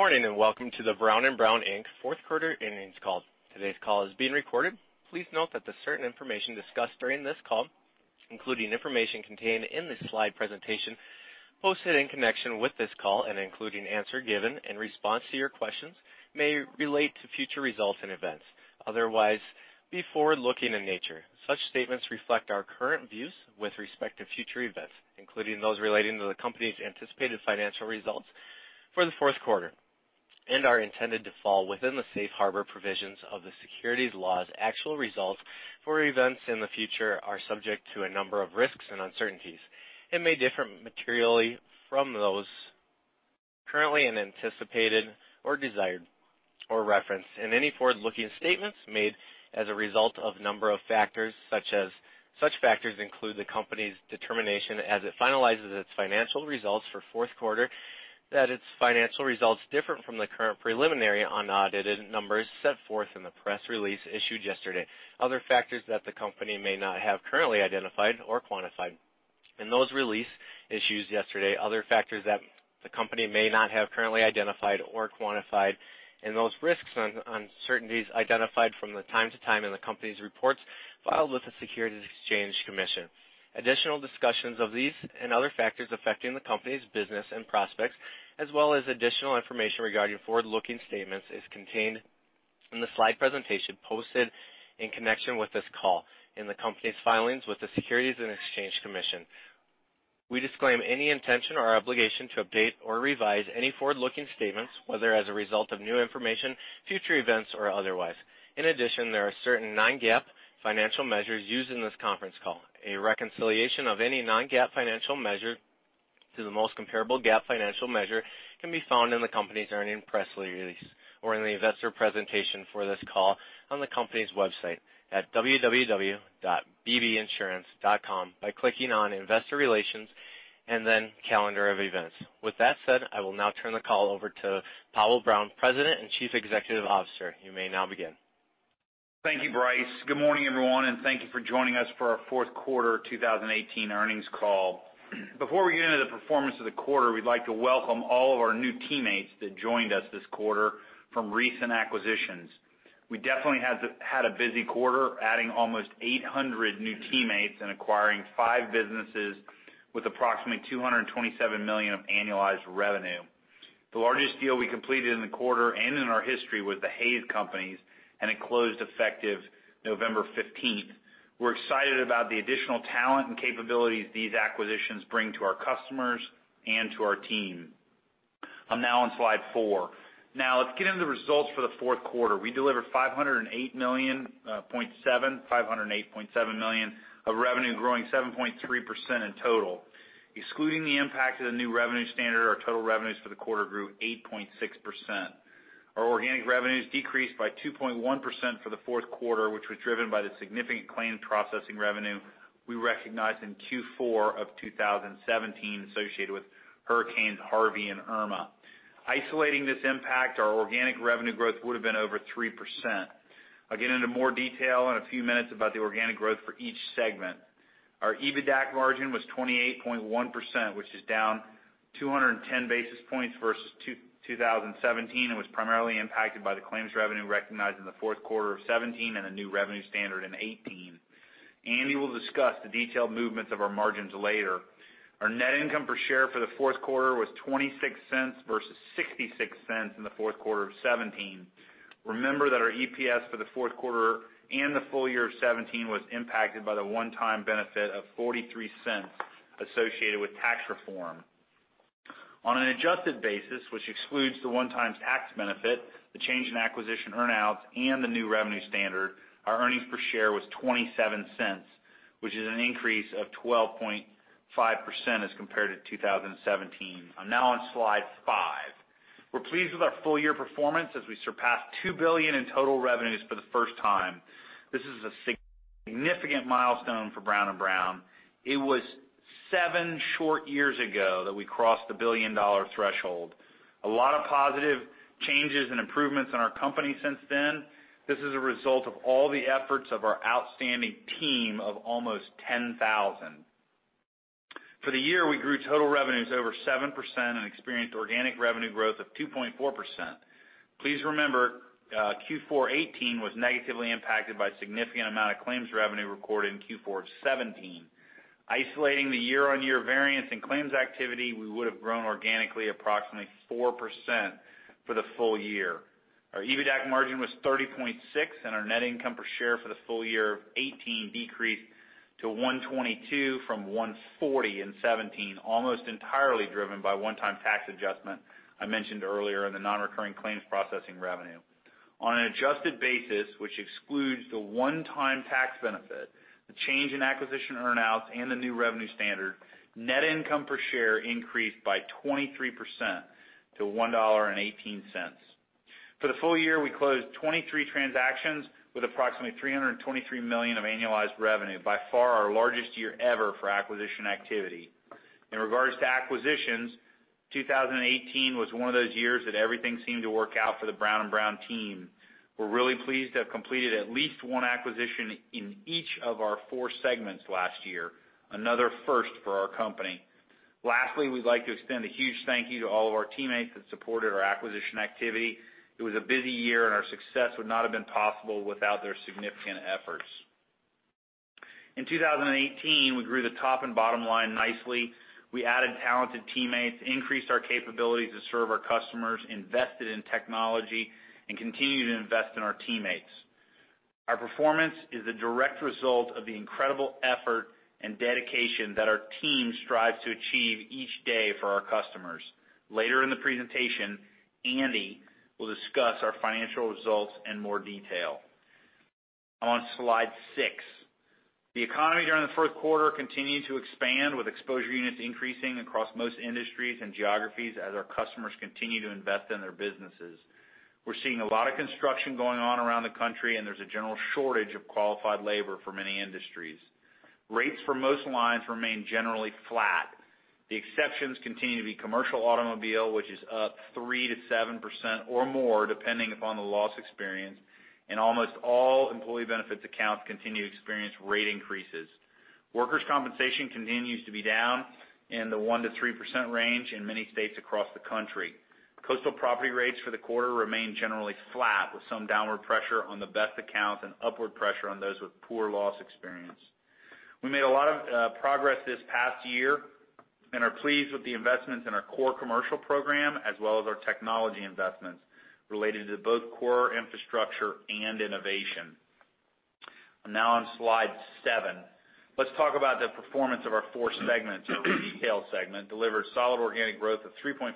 Good morning, and welcome to the Brown & Brown, Inc. fourth quarter earnings call. Today's call is being recorded. Please note that the certain information discussed during this call, including information contained in the slide presentation posted in connection with this call and including answer given in response to your questions, may relate to future results and events. Otherwise, be forward-looking in nature. Such statements reflect our current views with respect to future events, including those relating to the company's anticipated financial results for the fourth quarter, and are intended to fall within the safe harbor provisions of the securities laws. Actual results for events in the future are subject to a number of risks and uncertainties, and may differ materially from those currently anticipated or desired, or referenced in any forward-looking statements made as a result of a number of factors such as. Such factors include the company's determination as it finalizes its financial results for the fourth quarter, that its financial results differ from the current preliminary unaudited numbers set forth in the press release issued yesterday. Other factors that the company may not have currently identified or quantified in those releases issued yesterday. Other factors that the company may not have currently identified or quantified, and those risks and uncertainties identified from time to time in the company's reports filed with the Securities and Exchange Commission. Additional discussions of these and other factors affecting the company's business and prospects, as well as additional information regarding forward-looking statements, is contained in the slide presentation posted in connection with this call and in the company's filings with the Securities and Exchange Commission. We disclaim any intention or obligation to update or revise any forward-looking statements, whether as a result of new information, future events, or otherwise. In addition, there are certain non-GAAP financial measures used in this conference call. A reconciliation of any non-GAAP financial measure to the most comparable GAAP financial measure can be found in the company's earnings press release or in the investor presentation for this call on the company's website at www.bbrown.com by clicking on Investor Relations and then Calendar of Events. With that said, I will now turn the call over to Powell Brown, President and Chief Executive Officer. You may now begin. Thank you, Bryce. Good morning, everyone, and thank you for joining us for our fourth quarter 2018 earnings call. Before we get into the performance of the quarter, we'd like to welcome all of our new teammates that joined us this quarter from recent acquisitions. We definitely had a busy quarter, adding almost 800 new teammates and acquiring five businesses with approximately $227 million of annualized revenue. The largest deal we completed in the quarter and in our history was the Hays Companies, and it closed effective November 15th. We're excited about the additional talent and capabilities these acquisitions bring to our customers and to our team. I'm now on slide four. Now let's get into the results for the fourth quarter. We delivered $508.7 million of revenue, growing 7.3% in total. Excluding the impact of the new revenue standard, our total revenues for the quarter grew 8.6%. Our organic revenues decreased by 2.1% for the fourth quarter, which was driven by the significant claim processing revenue we recognized in Q4 of 2017 associated with Hurricane Harvey and Hurricane Irma. Isolating this impact, our organic revenue growth would've been over 3%. I'll get into more detail in a few minutes about the organic growth for each segment. Our EBITDA margin was 28.1%, which is down 210 basis points versus 2017, and was primarily impacted by the claims revenue recognized in the fourth quarter of 2017 and the new revenue standard in 2018. Andy will discuss the detailed movements of our margins later. Our net income per share for the fourth quarter was $0.26 versus $0.66 in the fourth quarter of 2017. Remember that our EPS for the fourth quarter and the full year of 2017 was impacted by the one-time benefit of $0.43 associated with tax reform. On an adjusted basis, which excludes the one-time tax benefit, the change in acquisition earn-outs, and the new revenue standard, our earnings per share was $0.27, which is an increase of 12.5% as compared to 2017. I'm now on slide five. We're pleased with our full-year performance as we surpassed $2 billion in total revenues for the first time. This is a significant milestone for Brown & Brown. It was seven short years ago that we crossed the billion-dollar threshold. A lot of positive changes and improvements in our company since then. This is a result of all the efforts of our outstanding team of almost 10,000. For the year, we grew total revenues over 7% and experienced organic revenue growth of 2.4%. Please remember, Q4 2018 was negatively impacted by a significant amount of claims revenue recorded in Q4 of 2017. Isolating the year-on-year variance in claims activity, we would've grown organically approximately 4% for the full year. Our EBITDA margin was 30.6%, and our net income per share for the full year of 2018 decreased to $1.22 from $1.40 in 2017, almost entirely driven by one-time tax adjustment I mentioned earlier in the non-recurring claims processing revenue. On an adjusted basis, which excludes the one-time tax benefit, the change in acquisition earn-outs, and the new revenue standard, net income per share increased by 23% to $1.18. For the full year, we closed 23 transactions with approximately $323 million of annualized revenue, by far our largest year ever for acquisition activity. In regards to acquisitions, 2018 was one of those years that everything seemed to work out for the Brown & Brown team. We're really pleased to have completed at least one acquisition in each of our four segments last year, another first for our company. Lastly, we'd like to extend a huge thank you to all of our teammates that supported our acquisition activity. It was a busy year, and our success would not have been possible without their significant efforts. In 2018, we grew the top and bottom line nicely. We added talented teammates, increased our capability to serve our customers, invested in technology, and continue to invest in our teammates. Our performance is the direct result of the incredible effort and dedication that our team strives to achieve each day for our customers. Later in the presentation, Andy will discuss our financial results in more detail. On slide six. The economy during the fourth quarter continued to expand, with exposure units increasing across most industries and geographies as our customers continue to invest in their businesses. We're seeing a lot of construction going on around the country, and there's a general shortage of qualified labor for many industries. Rates for most lines remain generally flat. The exceptions continue to be commercial automobile, which is up 3%-7% or more, depending upon the loss experience, and almost all employee benefits accounts continue to experience rate increases. Workers' compensation continues to be down in the 1%-3% range in many states across the country. Coastal property rates for the quarter remain generally flat, with some downward pressure on the best accounts and upward pressure on those with poor loss experience. We made a lot of progress this past year and are pleased with the investments in our core commercial program, as well as our technology investments related to both core infrastructure and innovation. Now on slide seven. Let's talk about the performance of our four segments. Our Retail segment delivered solid organic growth of 3.5%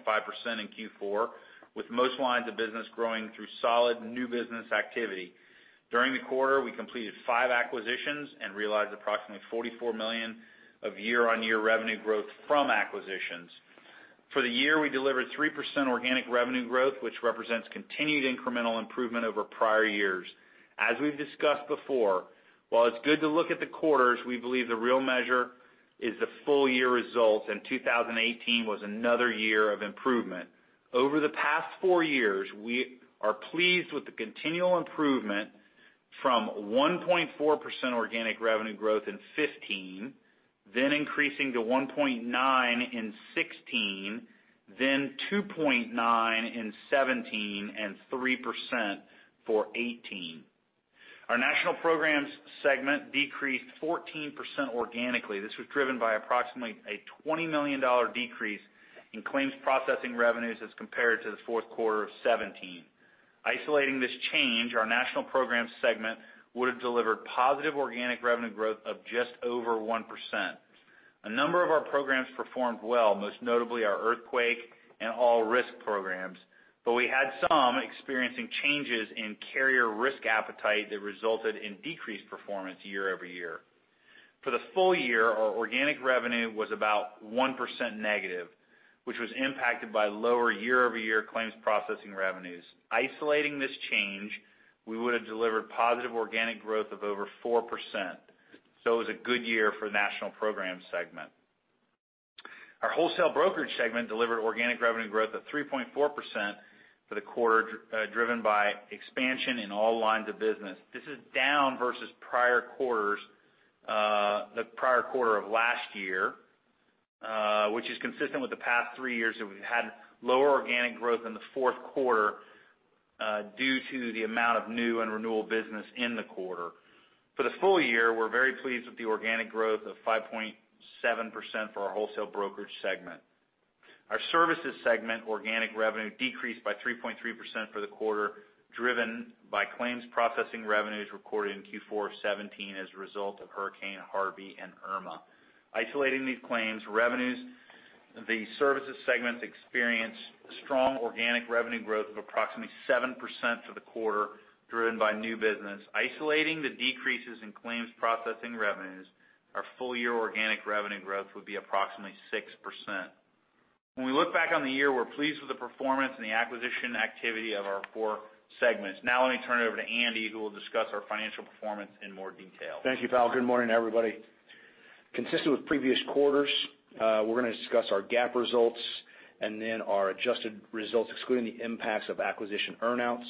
in Q4, with most lines of business growing through solid new business activity. During the quarter, we completed five acquisitions and realized approximately $44 million of year-on-year revenue growth from acquisitions. For the year, we delivered 3% organic revenue growth, which represents continued incremental improvement over prior years. As we've discussed before, while it's good to look at the quarters, we believe the real measure is the full year results, and 2018 was another year of improvement. Over the past four years, we are pleased with the continual improvement from 1.4% organic revenue growth in 2015, then increasing to 1.9% in 2016, then 2.9% in 2017, and 3% for 2018. Our National Programs segment decreased 14% organically. This was driven by approximately a $20 million decrease in claims processing revenues as compared to the fourth quarter of 2017. Isolating this change, our National Programs segment would have delivered positive organic revenue growth of just over 1%. A number of our programs performed well, most notably our earthquake and all-risk programs, but we had some experiencing changes in carrier risk appetite that resulted in decreased performance year over year. For the full year, our organic revenue was about 1% negative, which was impacted by lower year-over-year claims processing revenues. Isolating this change, we would have delivered positive organic growth of over 4%, so it was a good year for the National Programs segment. Our Wholesale Brokerage segment delivered organic revenue growth of 3.4% for the quarter, driven by expansion in all lines of business. This is down versus the prior quarter of last year, which is consistent with the past three years, that we've had lower organic growth in the fourth quarter due to the amount of new and renewal business in the quarter. For the full year, we're very pleased with the organic growth of 5.7% for our Wholesale Brokerage segment. Our Services segment organic revenue decreased by 3.3% for the quarter, driven by claims processing revenues recorded in Q4 of 2017 as a result of Hurricane Harvey and Irma. Isolating these claims revenues, the Services segment experienced strong organic revenue growth of approximately 7% for the quarter, driven by new business. Isolating the decreases in claims processing revenues, our full year organic revenue growth would be approximately 6%. When we look back on the year, we're pleased with the performance and the acquisition activity of our four segments. Now let me turn it over to Andy, who will discuss our financial performance in more detail. Thank you, Powell. Good morning, everybody. Consistent with previous quarters, we're going to discuss our GAAP results and then our adjusted results, excluding the impacts of acquisition earn-outs,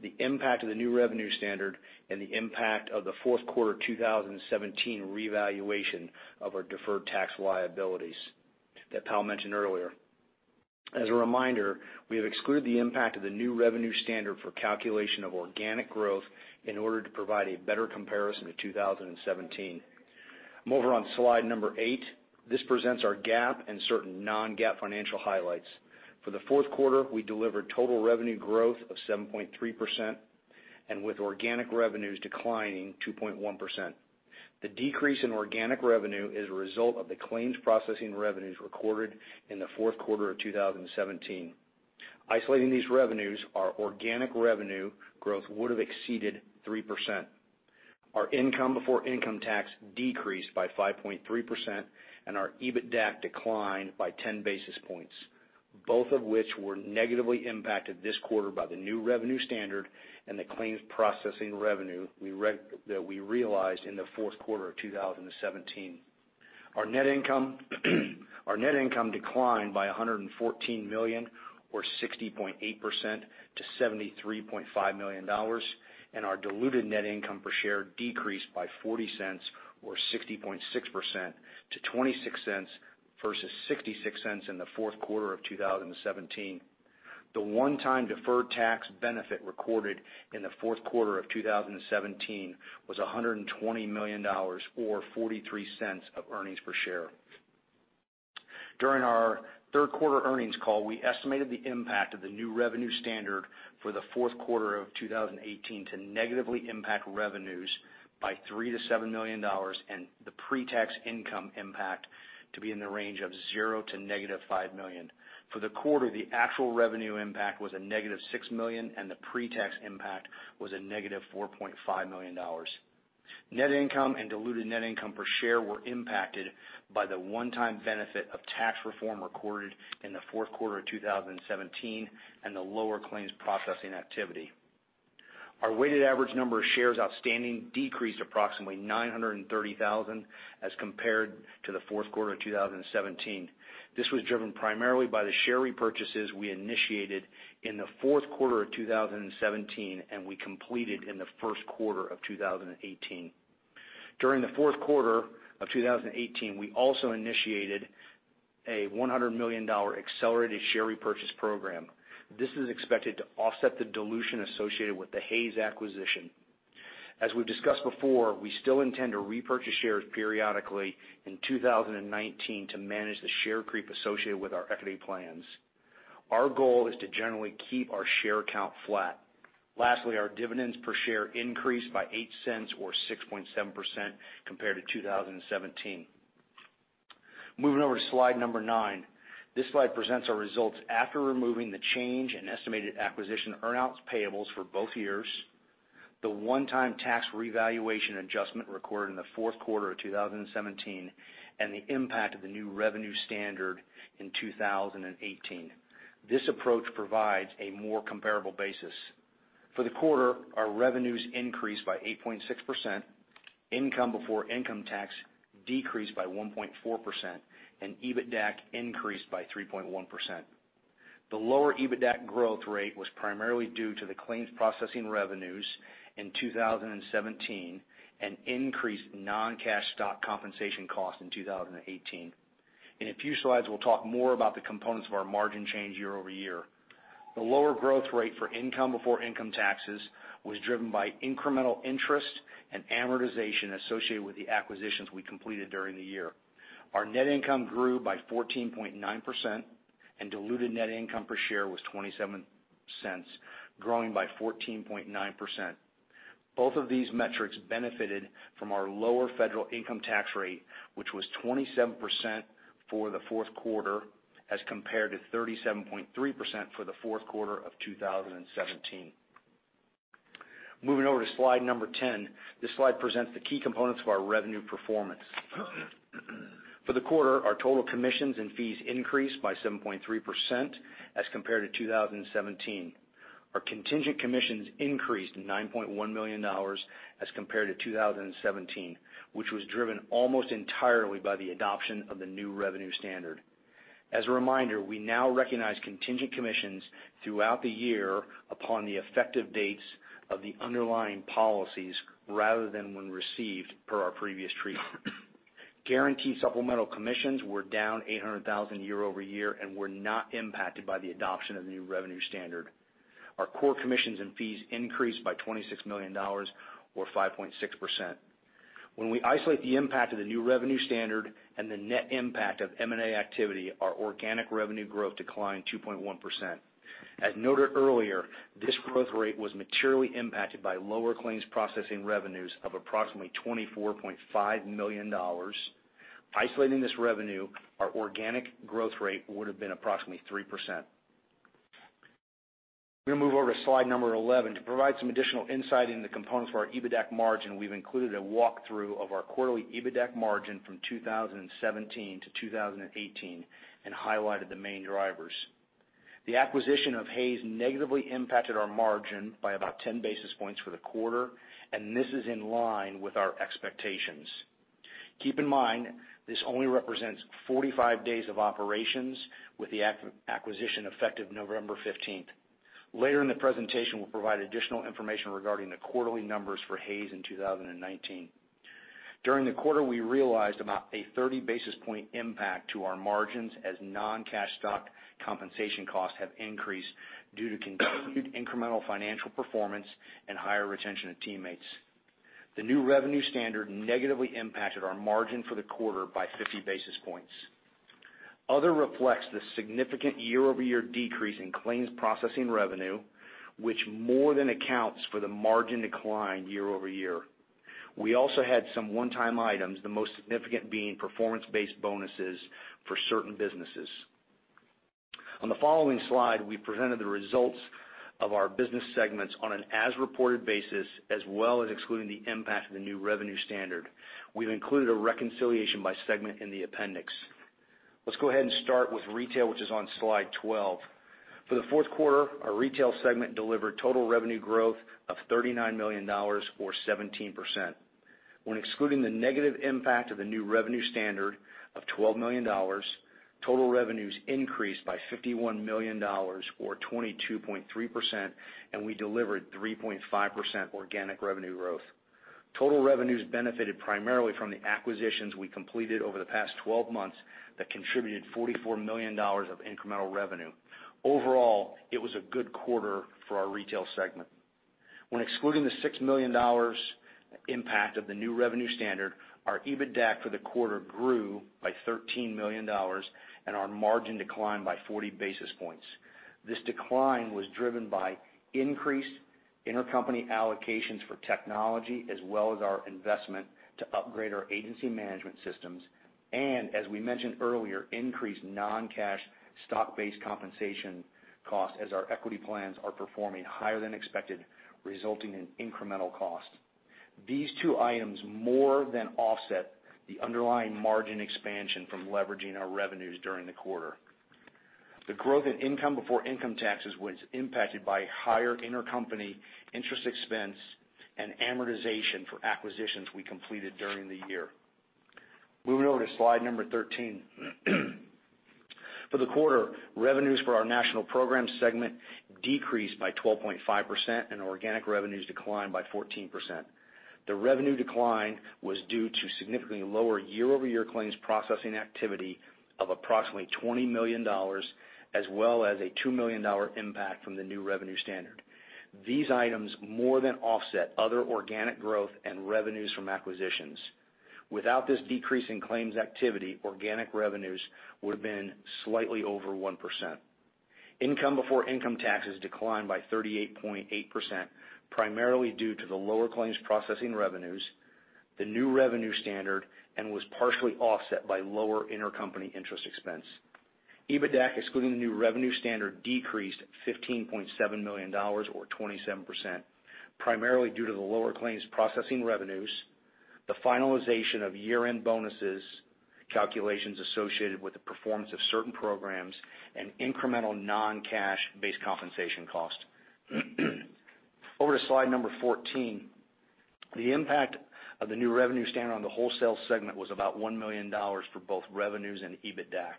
the impact of the new revenue standard, and the impact of the fourth quarter 2017 revaluation of our deferred tax liabilities that Powell mentioned earlier. As a reminder, we have excluded the impact of the new revenue standard for calculation of organic growth in order to provide a better comparison to 2017. I'm over on slide number eight. This presents our GAAP and certain non-GAAP financial highlights. For the fourth quarter, we delivered total revenue growth of 7.3%, with organic revenues declining 2.1%. The decrease in organic revenue is a result of the claims processing revenues recorded in the fourth quarter of 2017. Isolating these revenues, our organic revenue growth would have exceeded 3%. Our income before income tax decreased by 5.3%, our EBITDAC declined by 10 basis points, both of which were negatively impacted this quarter by the new revenue standard and the claims processing revenue that we realized in the fourth quarter of 2017. Our net income declined by $114 million, or 60.8%, to $73.5 million, our diluted net income per share decreased by $0.40 or 60.6% to $0.26 versus $0.66 in the fourth quarter of 2017. The one-time deferred tax benefit recorded in the fourth quarter of 2017 was $120 million or $0.43 of earnings per share. During our third-quarter earnings call, we estimated the impact of the new revenue standard for the fourth quarter of 2018 to negatively impact revenues by $3 million-$7 million, the pre-tax income impact to be in the range of $0 to -$5 million. For the quarter, the actual revenue impact was a -$6 million, the pre-tax impact was a -$4.5 million. Net income and diluted net income per share were impacted by the one-time benefit of tax reform recorded in the fourth quarter of 2017 and the lower claims processing activity. Our weighted average number of shares outstanding decreased approximately 930,000 as compared to the fourth quarter of 2017. This was driven primarily by the share repurchases we initiated in the fourth quarter of 2017, we completed in the first quarter of 2018. During the fourth quarter of 2018, we also initiated a $100 million accelerated share repurchase program. This is expected to offset the dilution associated with the Hays acquisition. As we've discussed before, we still intend to repurchase shares periodically in 2019 to manage the share creep associated with our equity plans. Our goal is to generally keep our share count flat. Lastly, our dividends per share increased by $0.08 or 6.7% compared to 2017. Moving over to slide number nine. This slide presents our results after removing the change in estimated acquisition earnouts payables for both years, the one-time tax revaluation adjustment recorded in the fourth quarter of 2017, and the impact of the new revenue standard in 2018. This approach provides a more comparable basis. For the quarter, our revenues increased by 8.6%, income before income tax decreased by 1.4%, and EBITDAC increased by 3.1%. The lower EBITDAC growth rate was primarily due to the claims processing revenues in 2017 and increased non-cash stock compensation costs in 2018. In a few slides, we'll talk more about the components of our margin change year-over-year. The lower growth rate for income before income taxes was driven by incremental interest and amortization associated with the acquisitions we completed during the year. Our net income grew by 14.9%, and diluted net income per share was $0.27, growing by 14.9%. Both of these metrics benefited from our lower federal income tax rate, which was 27% for the fourth quarter, as compared to 37.3% for the fourth quarter of 2017. Moving over to slide 10. This slide presents the key components of our revenue performance. For the quarter, our total commissions and fees increased by 7.3% as compared to 2017. Our contingent commissions increased $9.1 million as compared to 2017, which was driven almost entirely by the adoption of the new revenue standard. As a reminder, we now recognize contingent commissions throughout the year upon the effective dates of the underlying policies, rather than when received per our previous treatment. Guaranteed supplemental commissions were down $800,000 year-over-year and were not impacted by the adoption of the new revenue standard. Our core commissions and fees increased by $26 million or 5.6%. When we isolate the impact of the new revenue standard and the net impact of M&A activity, our organic revenue growth declined 2.1%. As noted earlier, this growth rate was materially impacted by lower claims processing revenues of approximately $24.5 million. Isolating this revenue, our organic growth rate would have been approximately 3%. We'll move over to slide 11 to provide some additional insight into the components of our EBITDAC margin. We've included a walkthrough of our quarterly EBITDAC margin from 2017 to 2018 and highlighted the main drivers. The acquisition of Hays negatively impacted our margin by about 10 basis points for the quarter, and this is in line with our expectations. Keep in mind, this only represents 45 days of operations, with the acquisition effective November 15th. Later in the presentation, we'll provide additional information regarding the quarterly numbers for Hays in 2019. During the quarter, we realized about a 30 basis point impact to our margins as non-cash stock compensation costs have increased due to continued incremental financial performance and higher retention of teammates. The new revenue standard negatively impacted our margin for the quarter by 50 basis points. Other reflects the significant year-over-year decrease in claims processing revenue, which more than accounts for the margin decline year-over-year. We also had some one-time items, the most significant being performance-based bonuses for certain businesses. On the following slide, we presented the results of our business segments on an as-reported basis, as well as excluding the impact of the new revenue standard. We've included a reconciliation by segment in the appendix. Let's go ahead and start with retail, which is on slide 12. For the fourth quarter, our retail segment delivered total revenue growth of $39 million, or 17%. Excluding the negative impact of the new revenue standard of $12 million, total revenues increased by $51 million, or 22.3%, and we delivered 3.5% organic revenue growth. Total revenues benefited primarily from the acquisitions we completed over the past 12 months that contributed $44 million of incremental revenue. Overall, it was a good quarter for our retail segment. Excluding the $6 million impact of the new revenue standard, our EBITDAC for the quarter grew by $13 million, and our margin declined by 40 basis points. This decline was driven by increased intercompany allocations for technology, as well as our investment to upgrade our agency management systems, and as we mentioned earlier, increased non-cash stock-based compensation cost as our equity plans are performing higher than expected, resulting in incremental cost. These two items more than offset the underlying margin expansion from leveraging our revenues during the quarter. The growth in income before income taxes was impacted by higher intercompany interest expense and amortization for acquisitions we completed during the year. Moving over to slide number 13. For the quarter, revenues for our national program segment decreased by 12.5%, and organic revenues declined by 14%. The revenue decline was due to significantly lower year-over-year claims processing activity of approximately $20 million, as well as a $2 million impact from the new revenue standard. These items more than offset other organic growth and revenues from acquisitions. Without this decrease in claims activity, organic revenues would have been slightly over 1%. Income before income taxes declined by 38.8%, primarily due to the lower claims processing revenues, the new revenue standard, and was partially offset by lower intercompany interest expense. EBITDAC, excluding the new revenue standard, decreased $15.7 million, or 27%, primarily due to the lower claims processing revenues, the finalization of year-end bonuses, calculations associated with the performance of certain programs, and incremental non-cash base compensation cost. Over to slide number 14. The impact of the new revenue standard on the wholesale segment was about $1 million for both revenues and EBITDAC.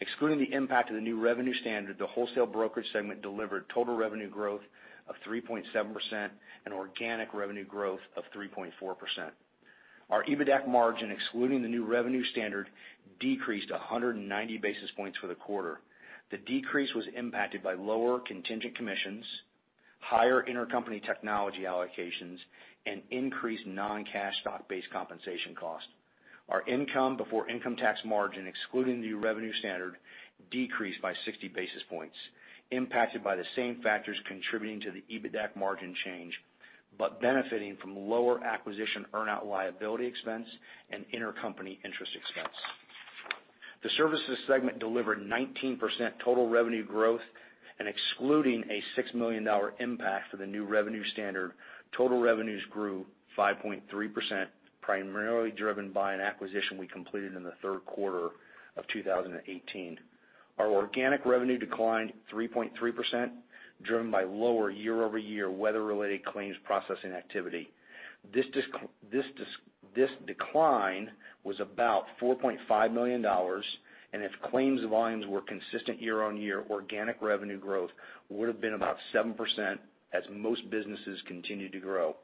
Excluding the impact of the new revenue standard, the wholesale brokerage segment delivered total revenue growth of 3.7% and organic revenue growth of 3.4%. Our EBITDAC margin, excluding the new revenue standard, decreased 190 basis points for the quarter. The decrease was impacted by lower contingent commissions, higher intercompany technology allocations, and increased non-cash stock-based compensation cost. Our income before income tax margin, excluding the new revenue standard, decreased by 60 basis points, impacted by the same factors contributing to the EBITDAC margin change, but benefiting from lower acquisition earn-out liability expense and intercompany interest expense. The services segment delivered 19% total revenue growth. Excluding a $6 million impact for the new revenue standard, total revenues grew 5.3%, primarily driven by an acquisition we completed in the third quarter of 2018. Our organic revenue declined 3.3%, driven by lower year-over-year weather related claims processing activity. This decline was about $4.5 million, and if claims volumes were consistent year-over-year, organic revenue growth would have been about 7% as most businesses continued to grow.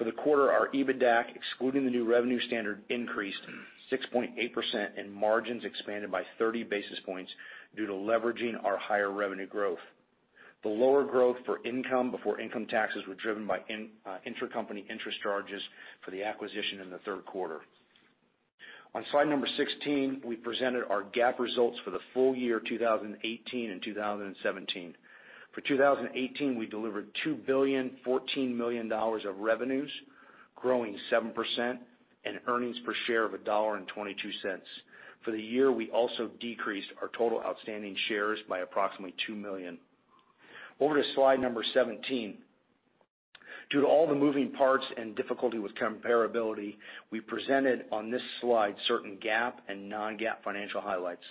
For the quarter, our EBITDAC, excluding the new revenue standard, increased 6.8%, and margins expanded by 30 basis points due to leveraging our higher revenue growth. The lower growth for income before income taxes was driven by intercompany interest charges for the acquisition in the third quarter. On slide 16, we presented our GAAP results for the full year 2018 and 2017. For 2018, we delivered $2.014 billion of revenues, growing 7%, and earnings per share of $1.22. For the year, we also decreased our total outstanding shares by approximately 2 million. Over to slide 17. Due to all the moving parts and difficulty with comparability, we presented on this slide certain GAAP and non-GAAP financial highlights.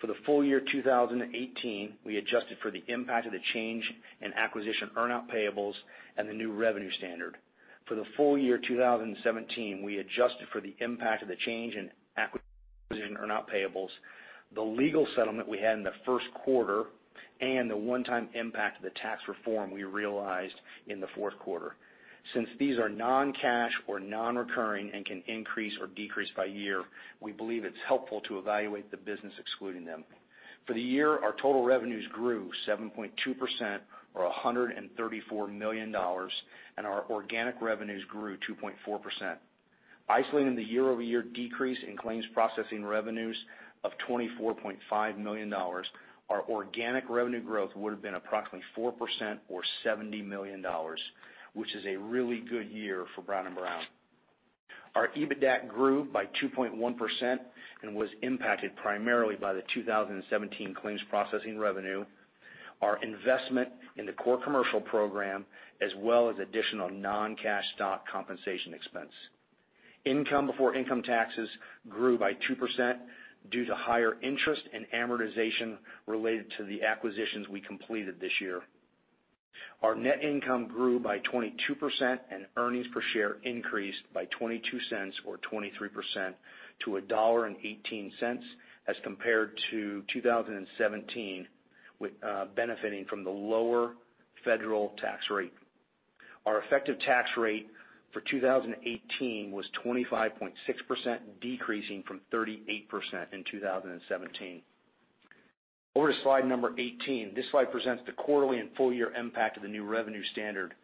For the full year 2018, we adjusted for the impact of the change in acquisition earn-out payables and the new revenue standard. For the full year 2017, we adjusted for the impact of the change in acquisition earn-out payables, the legal settlement we had in the first quarter, and the one-time impact of the tax reform we realized in the fourth quarter. Since these are non-cash or non-recurring and can increase or decrease by year, we believe it's helpful to evaluate the business excluding them. For the year, our total revenues grew 7.2%, or $134 million, and our organic revenues grew 2.4%. Isolating the year-over-year decrease in claims processing revenues of $24.5 million, our organic revenue growth would have been approximately 4%, or $70 million, which is a really good year for Brown & Brown. Our EBITDAC grew by 2.1% and was impacted primarily by the 2017 claims processing revenue, our investment in the core commercial program, as well as additional non-cash stock compensation expense. Income before income taxes grew by 2% due to higher interest and amortization related to the acquisitions we completed this year. Our net income grew by 22%, and earnings per share increased by $0.22 or 23% to $1.18 as compared to 2017, benefiting from the lower federal tax rate. Our effective tax rate for 2018 was 25.6%, decreasing from 38% in 2017. Over to slide 18. This slide presents the quarterly and full-year impact of the new revenue standard.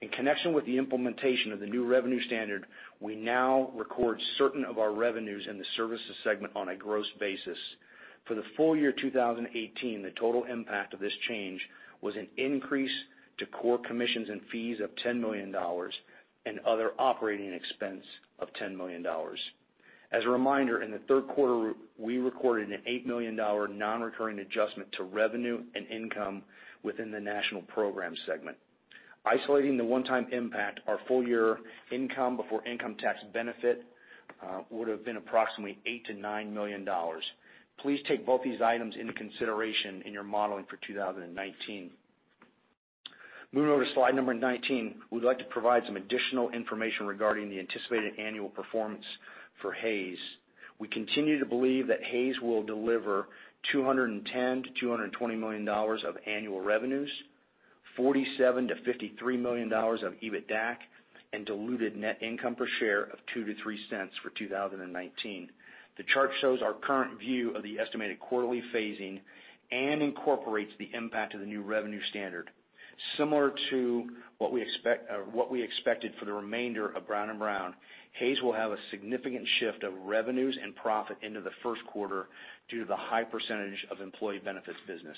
In connection with the implementation of the new revenue standard, we now record certain of our revenues in the services segment on a gross basis. For the full year 2018, the total impact of this change was an increase to core commissions and fees of $10 million and other operating expense of $10 million. As a reminder, in the third quarter, we recorded an $8 million non-recurring adjustment to revenue and income within the national program segment. Isolating the one-time impact, our full-year income before income tax benefit would have been approximately $8 million-$9 million. Please take both these items into consideration in your modeling for 2019. Moving over to slide 19, we'd like to provide some additional information regarding the anticipated annual performance for Hays. We continue to believe that Hays will deliver $210 million-$220 million of annual revenues, $47 million-$53 million of EBITDAC, and diluted net income per share of $0.02-$0.03 for 2019. The chart shows our current view of the estimated quarterly phasing and incorporates the impact of the new revenue standard. Similar to what we expected for the remainder of Brown & Brown, Hays will have a significant shift of revenues and profit into the first quarter due to the high percentage of employee benefits business.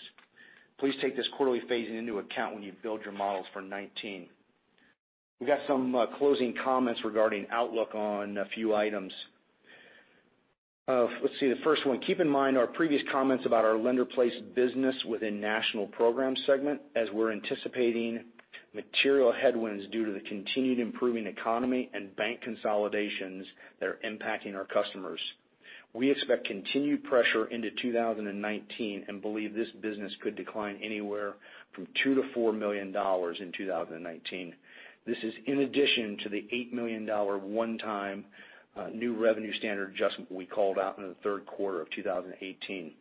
Please take this quarterly phasing into account when you build your models for 2019. We've got some closing comments regarding outlook on a few items. Let's see the first one. Keep in mind our previous comments about our lender-placed business within the national program segment, as we're anticipating material headwinds due to the continued improving economy and bank consolidations that are impacting our customers. We expect continued pressure into 2019 and believe this business could decline anywhere from $2 million to $4 million in 2019. This is in addition to the $8 million one-time new revenue standard adjustment we called out in the third quarter of 2018.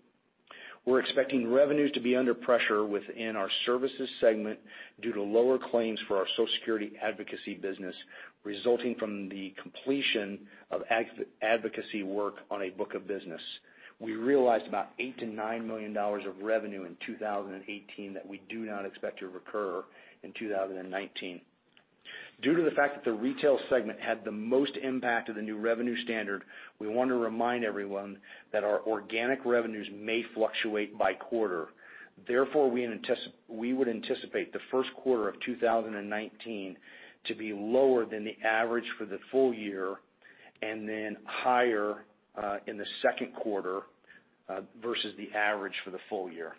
We're expecting revenues to be under pressure within our services segment due to lower claims for our Social Security advocacy business resulting from the completion of advocacy work on a book of business. We realized about $8 million to $9 million of revenue in 2018 that we do not expect to recur in 2019. Due to the fact that the retail segment had the most impact of the new revenue standard, we want to remind everyone that our organic revenues may fluctuate by quarter. We would anticipate the first quarter of 2019 to be lower than the average for the full year, and then higher in the second quarter versus the average for the full year.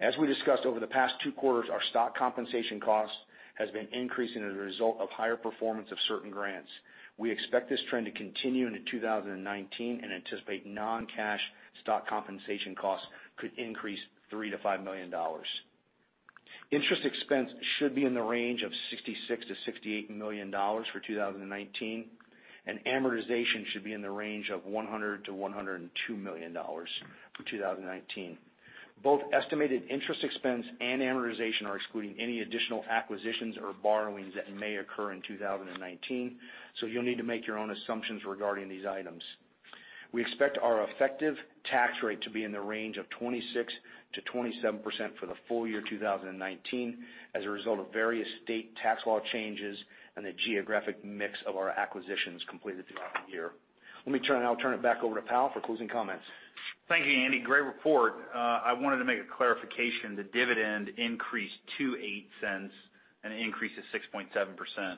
As we discussed over the past two quarters, our stock compensation cost has been increasing as a result of higher performance of certain grants. We expect this trend to continue into 2019 and anticipate non-cash stock compensation costs could increase $3 million to $5 million. Interest expense should be in the range of $66 million to $68 million for 2019, and amortization should be in the range of $100 million to $102 million for 2019. Both estimated interest expense and amortization are excluding any additional acquisitions or borrowings that may occur in 2019, you'll need to make your own assumptions regarding these items. We expect our effective tax rate to be in the range of 26%-27% for the full year 2019 as a result of various state tax law changes and the geographic mix of our acquisitions completed throughout the year. I'll turn it back over to Powell for closing comments. Thank you, Andy. Great report. I wanted to make a clarification. The dividend increased to $0.08, an increase of 6.7%,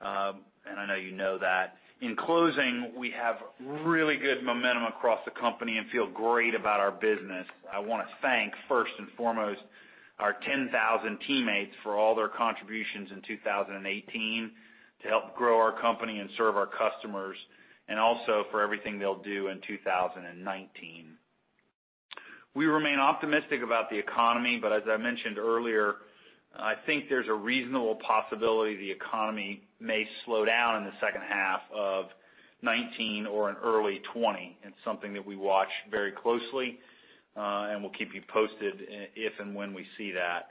and I know you know that. In closing, we have really good momentum across the company and feel great about our business. I want to thank first and foremost our 10,000 teammates for all their contributions in 2018 to help grow our company and serve our customers, and also for everything they'll do in 2019. We remain optimistic about the economy. As I mentioned earlier, I think there's a reasonable possibility the economy may slow down in the second half of 2019 or in early 2020. It's something that we watch very closely, and we'll keep you posted if and when we see that.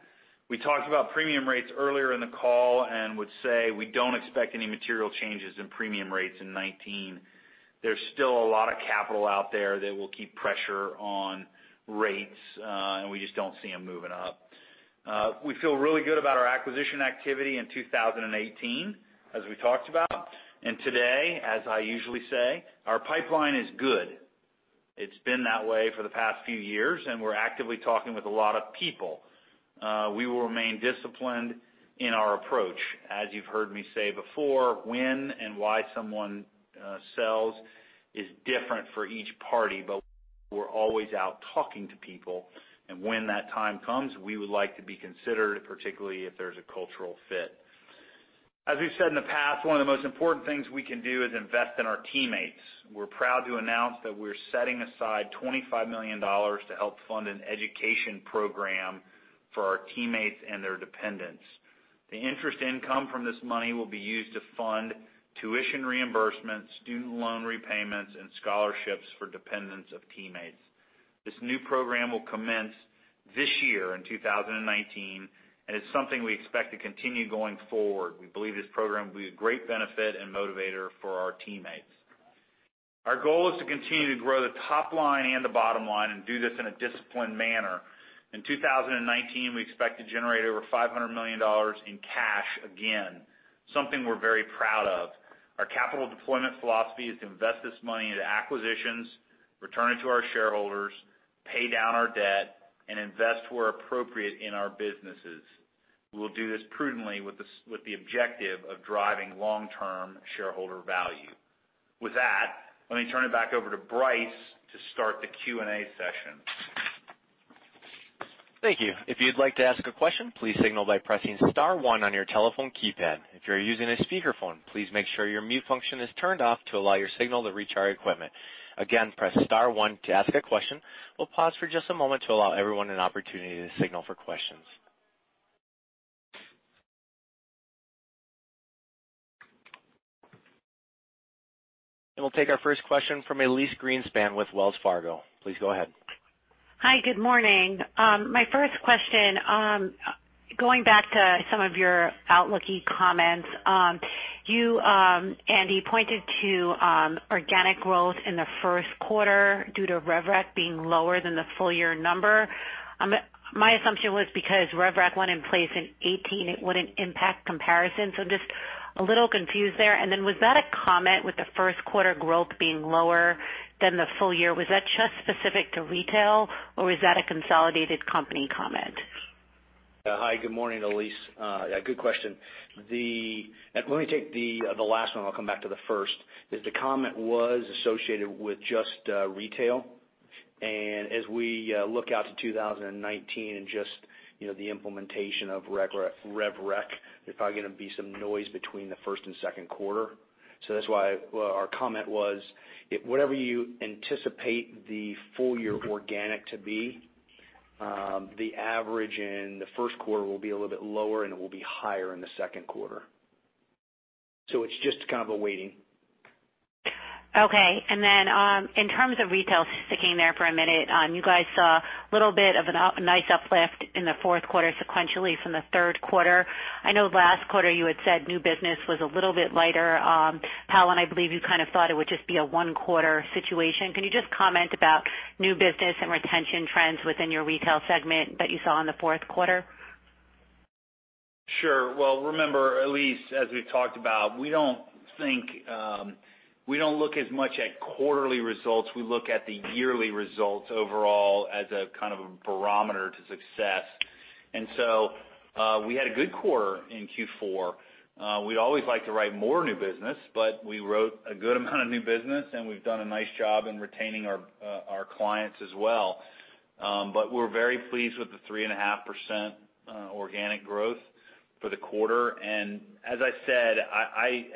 We talked about premium rates earlier in the call and would say we don't expect any material changes in premium rates in 2019. There's still a lot of capital out there that will keep pressure on rates, and we just don't see them moving up. We feel really good about our acquisition activity in 2018, as we talked about. Today, as I usually say, our pipeline is good. It's been that way for the past few years, and we're actively talking with a lot of people. We will remain disciplined in our approach. As you've heard me say before, when and why someone sells is different for each party, but we're always out talking to people, and when that time comes, we would like to be considered, particularly if there's a cultural fit. As we've said in the past, one of the most important things we can do is invest in our teammates. We're proud to announce that we're setting aside $25 million to help fund an education program for our teammates and their dependents. The interest income from this money will be used to fund tuition reimbursements, student loan repayments, and scholarships for dependents of teammates. This new program will commence this year in 2019, and it's something we expect to continue going forward. We believe this program will be a great benefit and motivator for our teammates. Our goal is to continue to grow the top line and the bottom line and do this in a disciplined manner. In 2019, we expect to generate over $500 million in cash again, something we're very proud of. Our capital deployment philosophy is to invest this money into acquisitions, return it to our shareholders, pay down our debt, and invest where appropriate in our businesses. We will do this prudently with the objective of driving long-term shareholder value. With that, let me turn it back over to Bryce to start the Q&A session. Thank you. If you'd like to ask a question, please signal by pressing *1 on your telephone keypad. If you're using a speakerphone, please make sure your mute function is turned off to allow your signal to reach our equipment. Again, press *1 to ask a question. We'll pause for just a moment to allow everyone an opportunity to signal for questions. We'll take our first question from Elyse Greenspan with Wells Fargo. Please go ahead. Hi. Good morning. My first question, going back to some of your outlooky comments. You, Andy, pointed to organic growth in the first quarter due to Rev Rec being lower than the full-year number. My assumption was because Rev Rec went in place in 2018, it wouldn't impact comparison. Just a little confused there. Was that a comment with the first quarter growth being lower than the full year? Was that just specific to retail, or was that a consolidated company comment? Hi. Good morning, Elyse. Good question. Let me take the last one. I'll come back to the first. The comment was associated with just retail. As we look out to 2019 and just the implementation of Rev Rec, there's probably going to be some noise between the first and second quarter. That's why our comment was, whatever you anticipate the full-year organic to be, the average in the first quarter will be a little bit lower, and it will be higher in the second quarter. It's just kind of a waiting. Okay. In terms of retail, sticking there for a minute, you guys saw a little bit of a nice uplift in the fourth quarter sequentially from the third quarter. I know last quarter you had said new business was a little bit lighter. Powell, I believe you kind of thought it would just be a one-quarter situation. Can you just comment about new business and retention trends within your retail segment that you saw in the fourth quarter? Sure. Well, remember, Elyse, as we've talked about, we don't look as much at quarterly results. We look at the yearly results overall as a kind of a barometer to success. We had a good quarter in Q4. We always like to write more new business, we wrote a good amount of new business, we've done a nice job in retaining our clients as well. We're very pleased with the 3.5% organic growth for the quarter. As I said,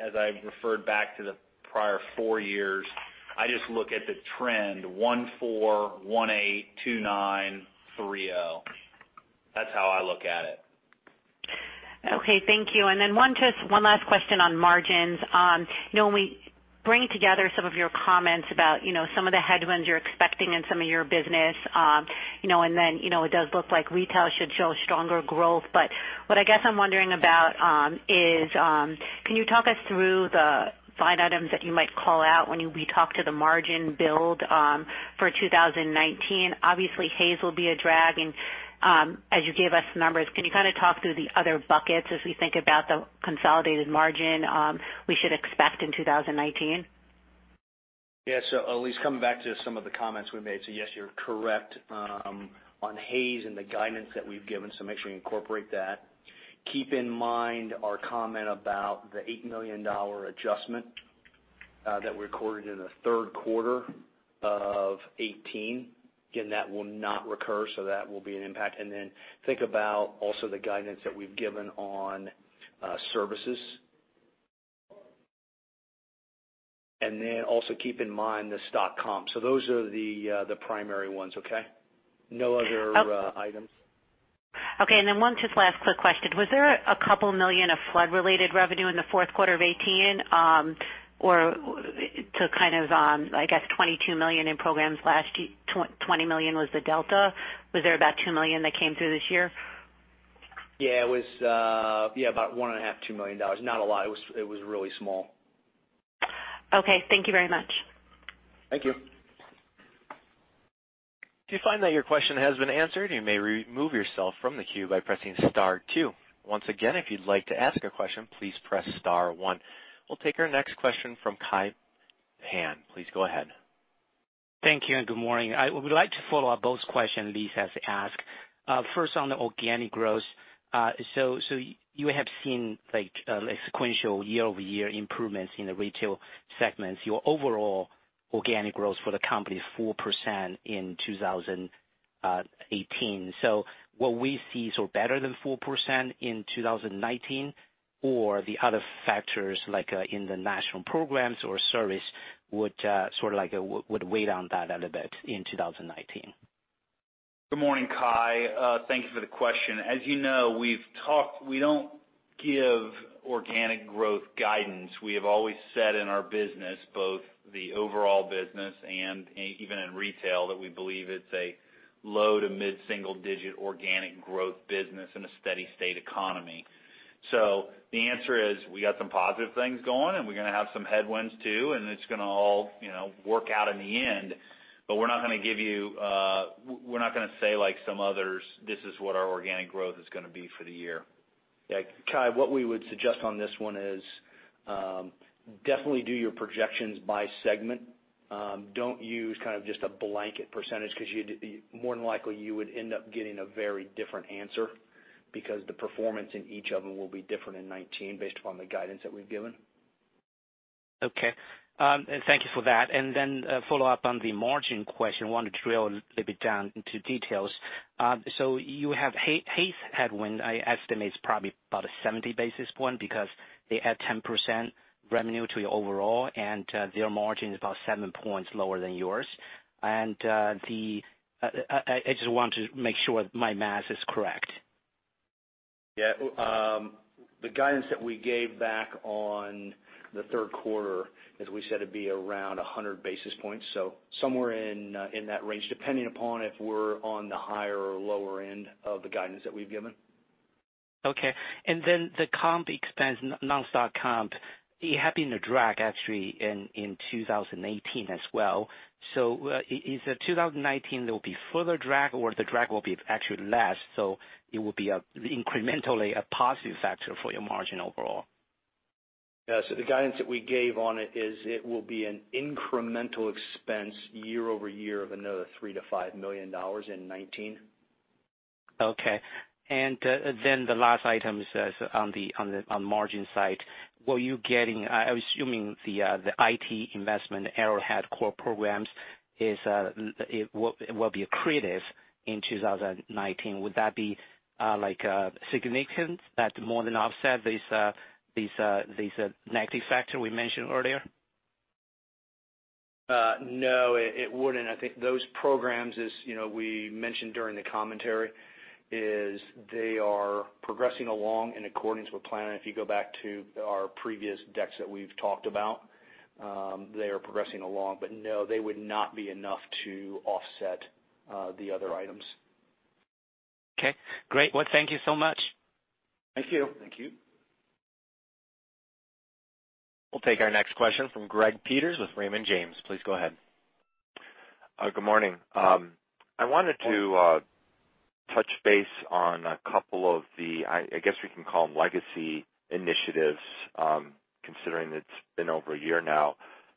as I referred back to the prior four years, I just look at the trend 14, 18, 29, 30. That's how I look at it. Okay. Thank you. One last question on margins. When we bring together some of your comments about some of the headwinds you're expecting in some of your business, it does look like retail should show stronger growth. What I guess I'm wondering about is, can you talk us through the line items that you might call out when we talk to the margin build for 2019? Obviously, Hays will be a drag. As you gave us numbers, can you kind of talk through the other buckets as we think about the consolidated margin we should expect in 2019? Yeah. Elyse, coming back to some of the comments we made. Yes, you're correct on Hays and the guidance that we've given. Make sure you incorporate that. Keep in mind our comment about the $8 million adjustment that we recorded in the third quarter of 2018. Again, that will not recur, that will be an impact. Think about also the guidance that we've given on services. Also keep in mind the stock comp. Those are the primary ones, okay? No other items. Okay. One just last quick question. Was there a couple million of flood-related revenue in the fourth quarter of 2018? To kind of, I guess, $22 million in programs last year, $20 million was the delta. Was there about $2 million that came through this year? Yeah. It was about $1.5 million, $2 million. Not a lot. It was really small. Okay. Thank you very much. Thank you. If you find that your question has been answered, you may remove yourself from the queue by pressing star 2. Once again, if you'd like to ask a question, please press star 1. We'll take our next question from Kai Pan. Please go ahead. Thank you, and good morning. I would like to follow up both questions Elyse has asked. First on the organic growth. You have seen a sequential year-over-year improvements in the retail segments. Your overall organic growth for the company is 4% in 2018. Will we see better than 4% in 2019? The other factors like in the national programs or service would weigh down that a little bit in 2019? Good morning, Kai. Thank you for the question. As you know, we don't give organic growth guidance. We have always said in our business, both the overall business and even in retail, that we believe it's a low to mid-single-digit organic growth business in a steady state economy. The answer is, we got some positive things going, and we're going to have some headwinds too, and it's going to all work out in the end. We're not going to say like some others, this is what our organic growth is going to be for the year. Yeah, Kai, what we would suggest on this one is, definitely do your projections by segment. Don't use just a blanket %, because more than likely, you would end up getting a very different answer, because the performance in each of them will be different in 2019 based upon the guidance that we've given. Okay. Thank you for that. A follow-up on the margin question, wanted to drill a little bit down into details. You have Hays headwind, I estimate it's probably about a 70 basis points because they add 10% revenue to your overall and their margin is about seven points lower than yours. I just want to make sure my math is correct. Yeah. The guidance that we gave back on the third quarter, as we said, it'd be around 100 basis points. Somewhere in that range, depending upon if we're on the higher or lower end of the guidance that we've given. Okay. The comp expense, non-stock comp, it had been a drag actually in 2018 as well. Is it 2019, there will be further drag or the drag will be actually less, so it will be incrementally a positive factor for your margin overall? Yeah. The guidance that we gave on it is it will be an incremental expense year-over-year of another $3 million-$5 million in 2019. Okay. The last item on the margin side. I'm assuming the IT investment Arrowhead core programs will be accretive in 2019. Would that be significant that more than offset these negative factor we mentioned earlier? No, it wouldn't. I think those programs as we mentioned during the commentary, they are progressing along in accordance with plan. If you go back to our previous decks that we've talked about, they are progressing along. No, they would not be enough to offset the other items. Okay, great. Well, thank you so much. Thank you. Thank you. We'll take our next question from Greg Peters with Raymond James. Please go ahead. Good morning. I wanted to touch base on a couple of the, I guess, we can call them legacy initiatives, considering it's been over a year now,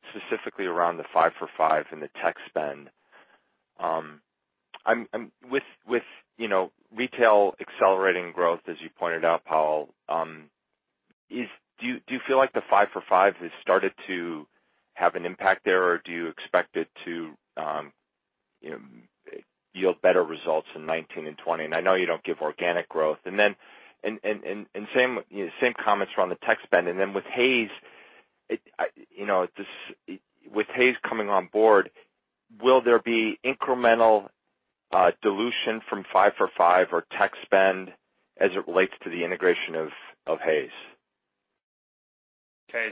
specifically around the Five for Five and the tech spend. With retail accelerating growth, as you pointed out, Powell, do you feel like the Five for Five has started to have an impact there, or do you expect it to yield better results in 2019 and 2020? I know you don't give organic growth. Same comments around the tech spend. Then with Hays coming on board, will there be incremental dilution from Five for Five or tech spend as it relates to the integration of Hays? Okay.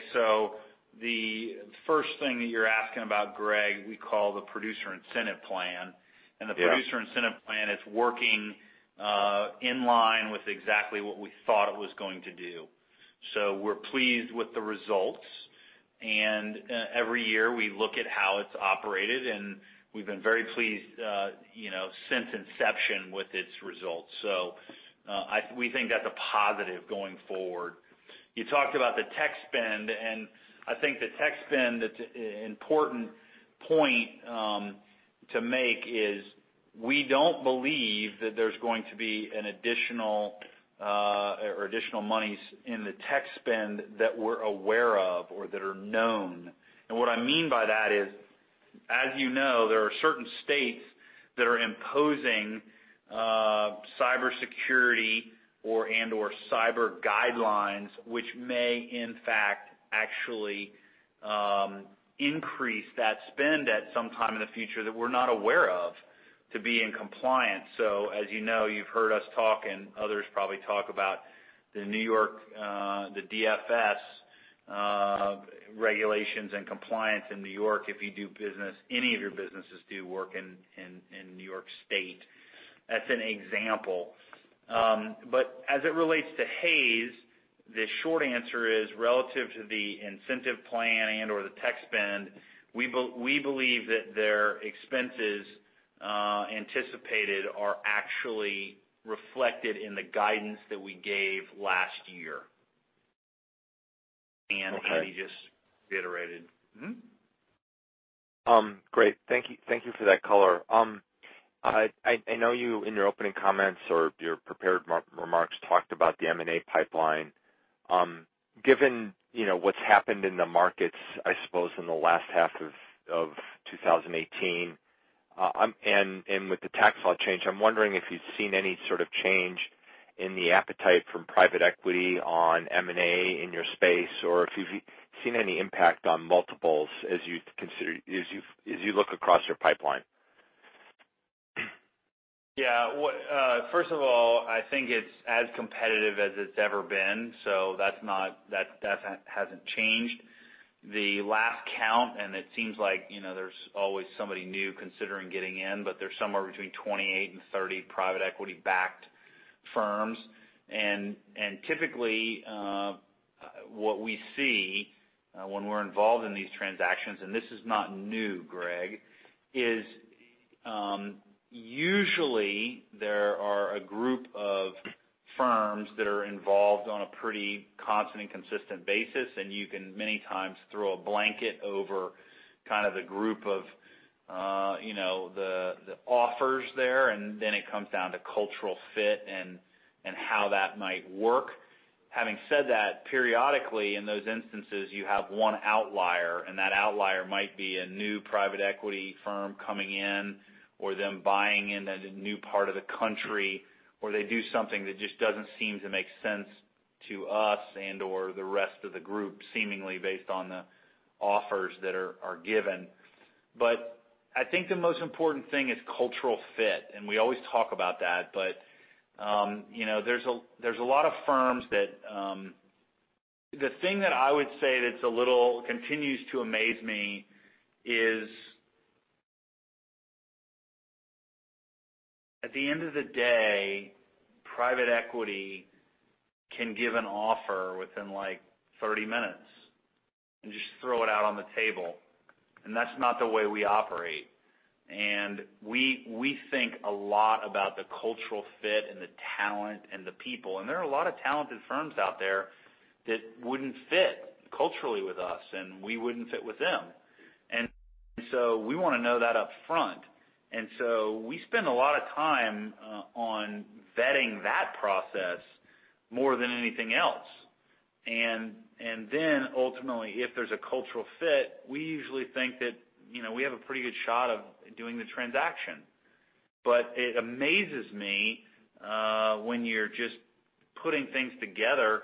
The first thing that you're asking about, Greg, we call the Producer Incentive Plan. Yeah. The Producer Incentive Plan is working in line with exactly what we thought it was going to do. We're pleased with the results. Every year, we look at how it's operated, and we've been very pleased since inception with its results. We think that's a positive going forward. You talked about the tech spend, and I think the tech spend, important point to make is we don't believe that there's going to be an additional monies in the tech spend that we're aware of or that are known. What I mean by that is, as you know, there are certain states that are imposing cybersecurity and/or cyber guidelines, which may in fact actually increase that spend at some time in the future that we're not aware of to be in compliance. As you know, you've heard us talk and others probably talk about the DFS regulations and compliance in New York if any of your businesses do work in New York State. That's an example. As it relates to Hays, the short answer is relative to the incentive plan and/or the tech spend, we believe that their expenses anticipated are actually reflected in the guidance that we gave last year. Okay. That we just reiterated. Great. Thank you for that color. I know you, in your opening comments or your prepared remarks, talked about the M&A pipeline. Given what's happened in the markets, I suppose, in the last half of 2018, with the tax law change, I'm wondering if you've seen any sort of change in the appetite from private equity on M&A in your space, or if you've seen any impact on multiples as you look across your pipeline. Yeah. First of all, I think it's as competitive as it's ever been, so that hasn't changed. The last count, it seems like there's always somebody new considering getting in, there's somewhere between 28 and 30 private equity-backed firms. Typically, what we see when we're involved in these transactions, and this is not new, Greg, is usually there are a group of firms that are involved on a pretty constant and consistent basis, you can many times throw a blanket over kind of the group of the offers there. It comes down to cultural fit and how that might work. Having said that, periodically, in those instances, you have one outlier, and that outlier might be a new private equity firm coming in or them buying in a new part of the country, or they do something that just doesn't seem to make sense to us and/or the rest of the group, seemingly based on the offers that are given. I think the most important thing is cultural fit, and we always talk about that. There's a lot of firms that The thing that I would say that continues to amaze me is, at the end of the day, private equity can give an offer within 30 minutes and just throw it out on the table, and that's not the way we operate. We think a lot about the cultural fit and the talent and the people. There are a lot of talented firms out there that wouldn't fit culturally with us, and we wouldn't fit with them. We want to know that up front. We spend a lot of time on vetting that process more than anything else. Ultimately, if there's a cultural fit, we usually think that we have a pretty good shot of doing the transaction. It amazes me, when you're just putting things together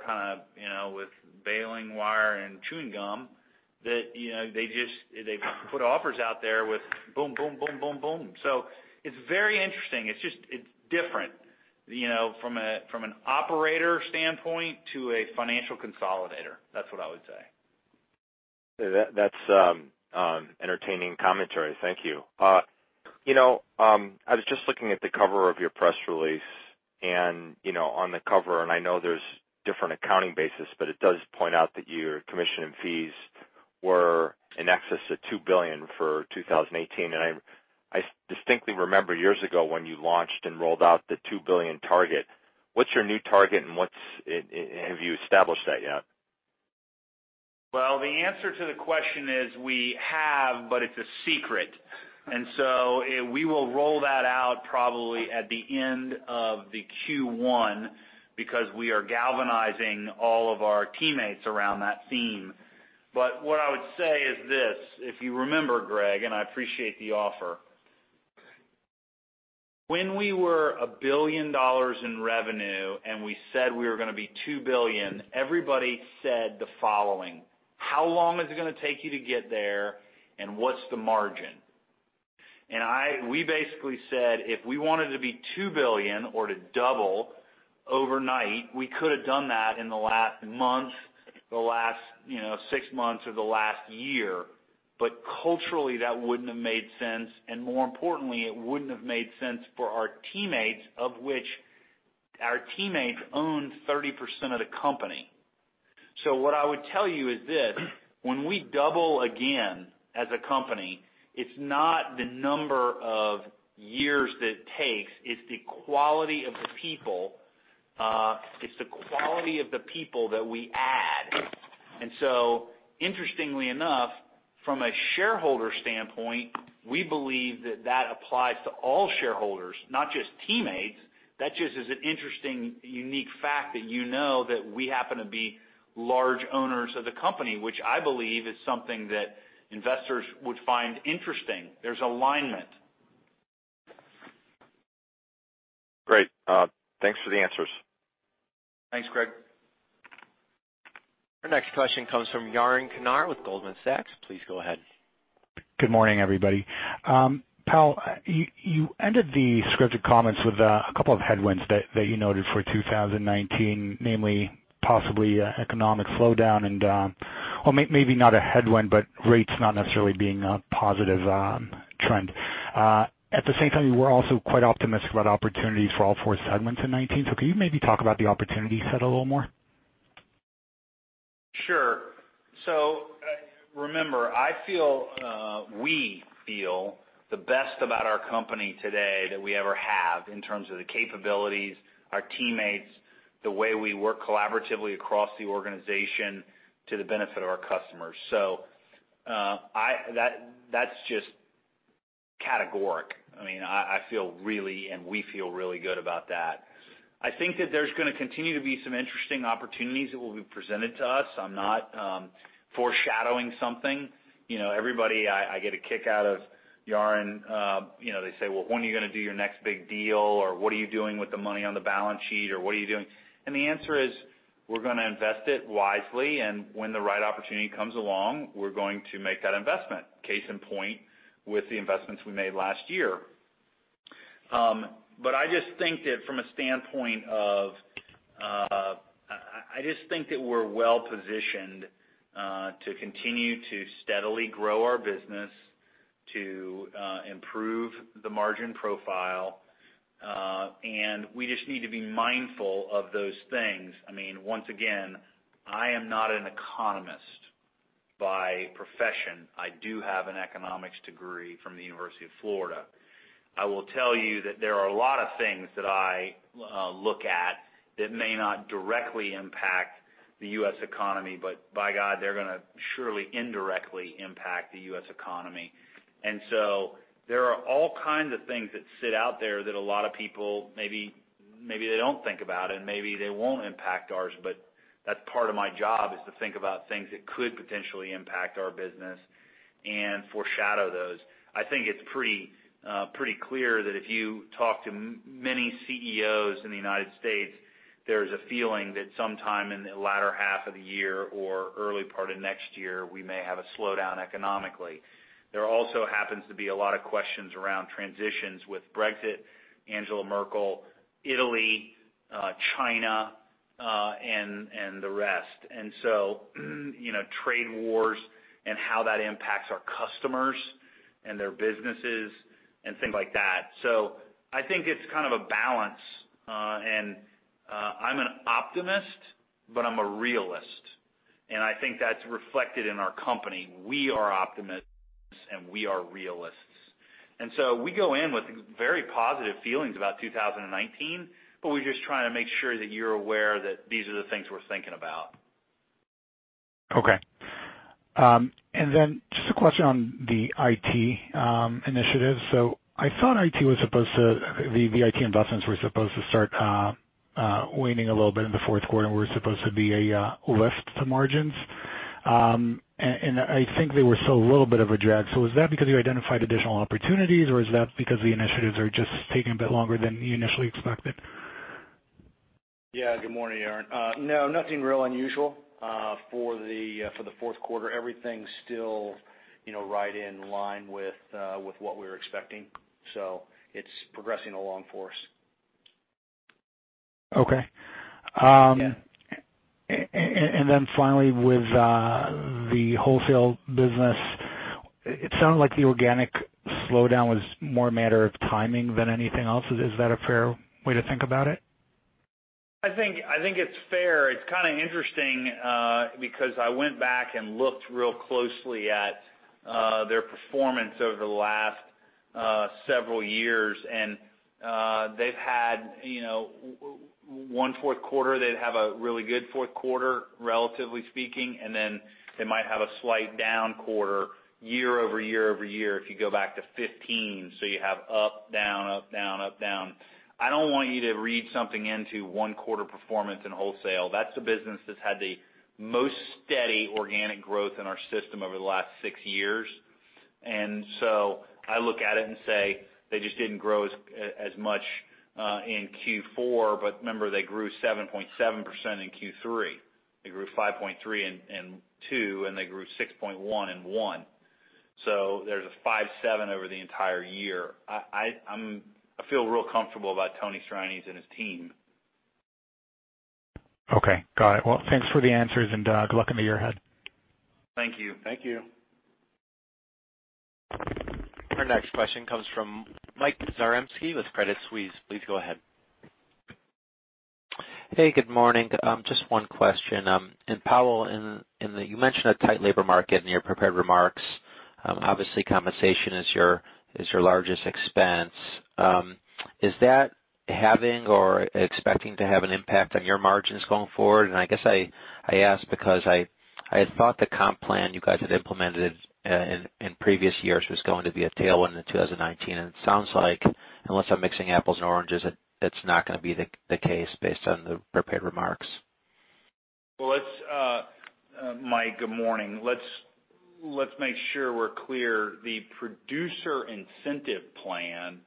with baling wire and chewing gum, that they just put offers out there with boom, boom. It's very interesting. It's different from an operator standpoint to a financial consolidator. That's what I would say. That's entertaining commentary. Thank you. I was just looking at the cover of your press release, on the cover, I know there's different accounting basis, but it does point out that your commission and fees were in excess of $2 billion for 2018. I distinctly remember years ago when you launched and rolled out the $2 billion target. What's your new target, and have you established that yet? Well, the answer to the question is we have, but it's a secret. We will roll that out probably at the end of the Q1, because we are galvanizing all of our teammates around that theme. What I would say is this, if you remember, Greg, I appreciate the offer. When we were $1 billion in revenue and we said we were going to be $2 billion, everybody said the following: "How long is it going to take you to get there, and what's the margin?" We basically said, if we wanted to be $2 billion or to double overnight, we could have done that in the last month, the last six months or the last year. Culturally, that wouldn't have made sense, and more importantly, it wouldn't have made sense for our teammates, of which our teammates own 30% of the company. What I would tell you is this. When we double again as a company, it's not the number of years that it takes, it's the quality of the people that we add. Interestingly enough, from a shareholder standpoint, we believe that that applies to all shareholders, not just teammates. That just is an interesting, unique fact that you know that we happen to be large owners of the company, which I believe is something that investors would find interesting. There's alignment. Great. Thanks for the answers. Thanks, Greg. Our next question comes from Yaron Kinar with Goldman Sachs. Please go ahead. Good morning, everybody. Powell, you ended the scripted comments with a couple of headwinds that you noted for 2019, namely possibly an economic slowdown and, well, maybe not a headwind, but rates not necessarily being a positive trend. At the same time, you were also quite optimistic about opportunities for all four segments in 2019. Can you maybe talk about the opportunity set a little more? Sure. Remember, we feel the best about our company today that we ever have in terms of the capabilities, our teammates, the way we work collaboratively across the organization to the benefit of our customers. That's just Categoric. I feel really, and we feel really good about that. I think that there's going to continue to be some interesting opportunities that will be presented to us. I'm not foreshadowing something. Everybody, I get a kick out of, Yaron, they say, "Well, when are you going to do your next big deal?" Or, "What are you doing with the money on the balance sheet?" Or, "What are you doing?" The answer is, we're going to invest it wisely, and when the right opportunity comes along, we're going to make that investment. Case in point, with the investments we made last year. I just think that we're well-positioned to continue to steadily grow our business, to improve the margin profile, and we just need to be mindful of those things. Once again, I am not an economist by profession. I do have an economics degree from the University of Florida. I will tell you that there are a lot of things that I look at that may not directly impact the U.S. economy, but by God, they're going to surely indirectly impact the U.S. economy. There are all kinds of things that sit out there that a lot of people maybe they don't think about and maybe they won't impact ours, but that's part of my job, is to think about things that could potentially impact our business and foreshadow those. I think it's pretty clear that if you talk to many CEOs in the United States, there's a feeling that sometime in the latter half of the year or early part of next year, we may have a slowdown economically. There also happens to be a lot of questions around transitions with Brexit, Angela Merkel, Italy, China, and the rest. Trade wars and how that impacts our customers and their businesses and things like that. I think it's kind of a balance. I'm an optimist, but I'm a realist, and I think that's reflected in our company. We are optimists, and we are realists. We go in with very positive feelings about 2019, but we're just trying to make sure that you're aware that these are the things we're thinking about. Just a question on the IT initiatives. I thought the IT investments were supposed to start waning a little bit in the fourth quarter and were supposed to be a lift to margins. I think they were still a little bit of a drag. Is that because you identified additional opportunities, or is that because the initiatives are just taking a bit longer than you initially expected? Yeah. Good morning, Yaron. No, nothing real unusual, for the fourth quarter. Everything's still right in line with what we were expecting. It's progressing along for us. Okay. Yeah. Finally, with the wholesale business, it sounded like the organic slowdown was more a matter of timing than anything else. Is that a fair way to think about it? I think it's fair. It's kind of interesting, because I went back and looked real closely at their performance over the last several years. They've had one fourth quarter they'd have a really good fourth quarter, relatively speaking, and then they might have a slight down quarter year-over-year over year if you go back to 2015. You have up, down, up, down, up, down. I don't want you to read something into one quarter performance in wholesale. That's the business that's had the most steady organic growth in our system over the last six years. I look at it and say they just didn't grow as much in Q4, but remember, they grew 7.7% in Q3. They grew 5.3% in Q2, and they grew 6.1% in Q1. There's a 5.7% over the entire year. I feel real comfortable about Tony Chianese and his team. Okay, got it. Well, thanks for the answers, and good luck in the year ahead. Thank you. Thank you. Our next question comes from Michael Zaremski with Credit Suisse. Please go ahead. Hey, good morning. Just one question. Powell, you mentioned a tight labor market in your prepared remarks. Obviously, compensation is your largest expense. Is that having or expecting to have an impact on your margins going forward? I guess I ask because I had thought the comp plan you guys had implemented in previous years was going to be a tailwind in 2019, it sounds like, unless I'm mixing apples and oranges, that's not going to be the case based on the prepared remarks. Well, Mike, good morning. Let's make sure we're clear. The producer incentive plan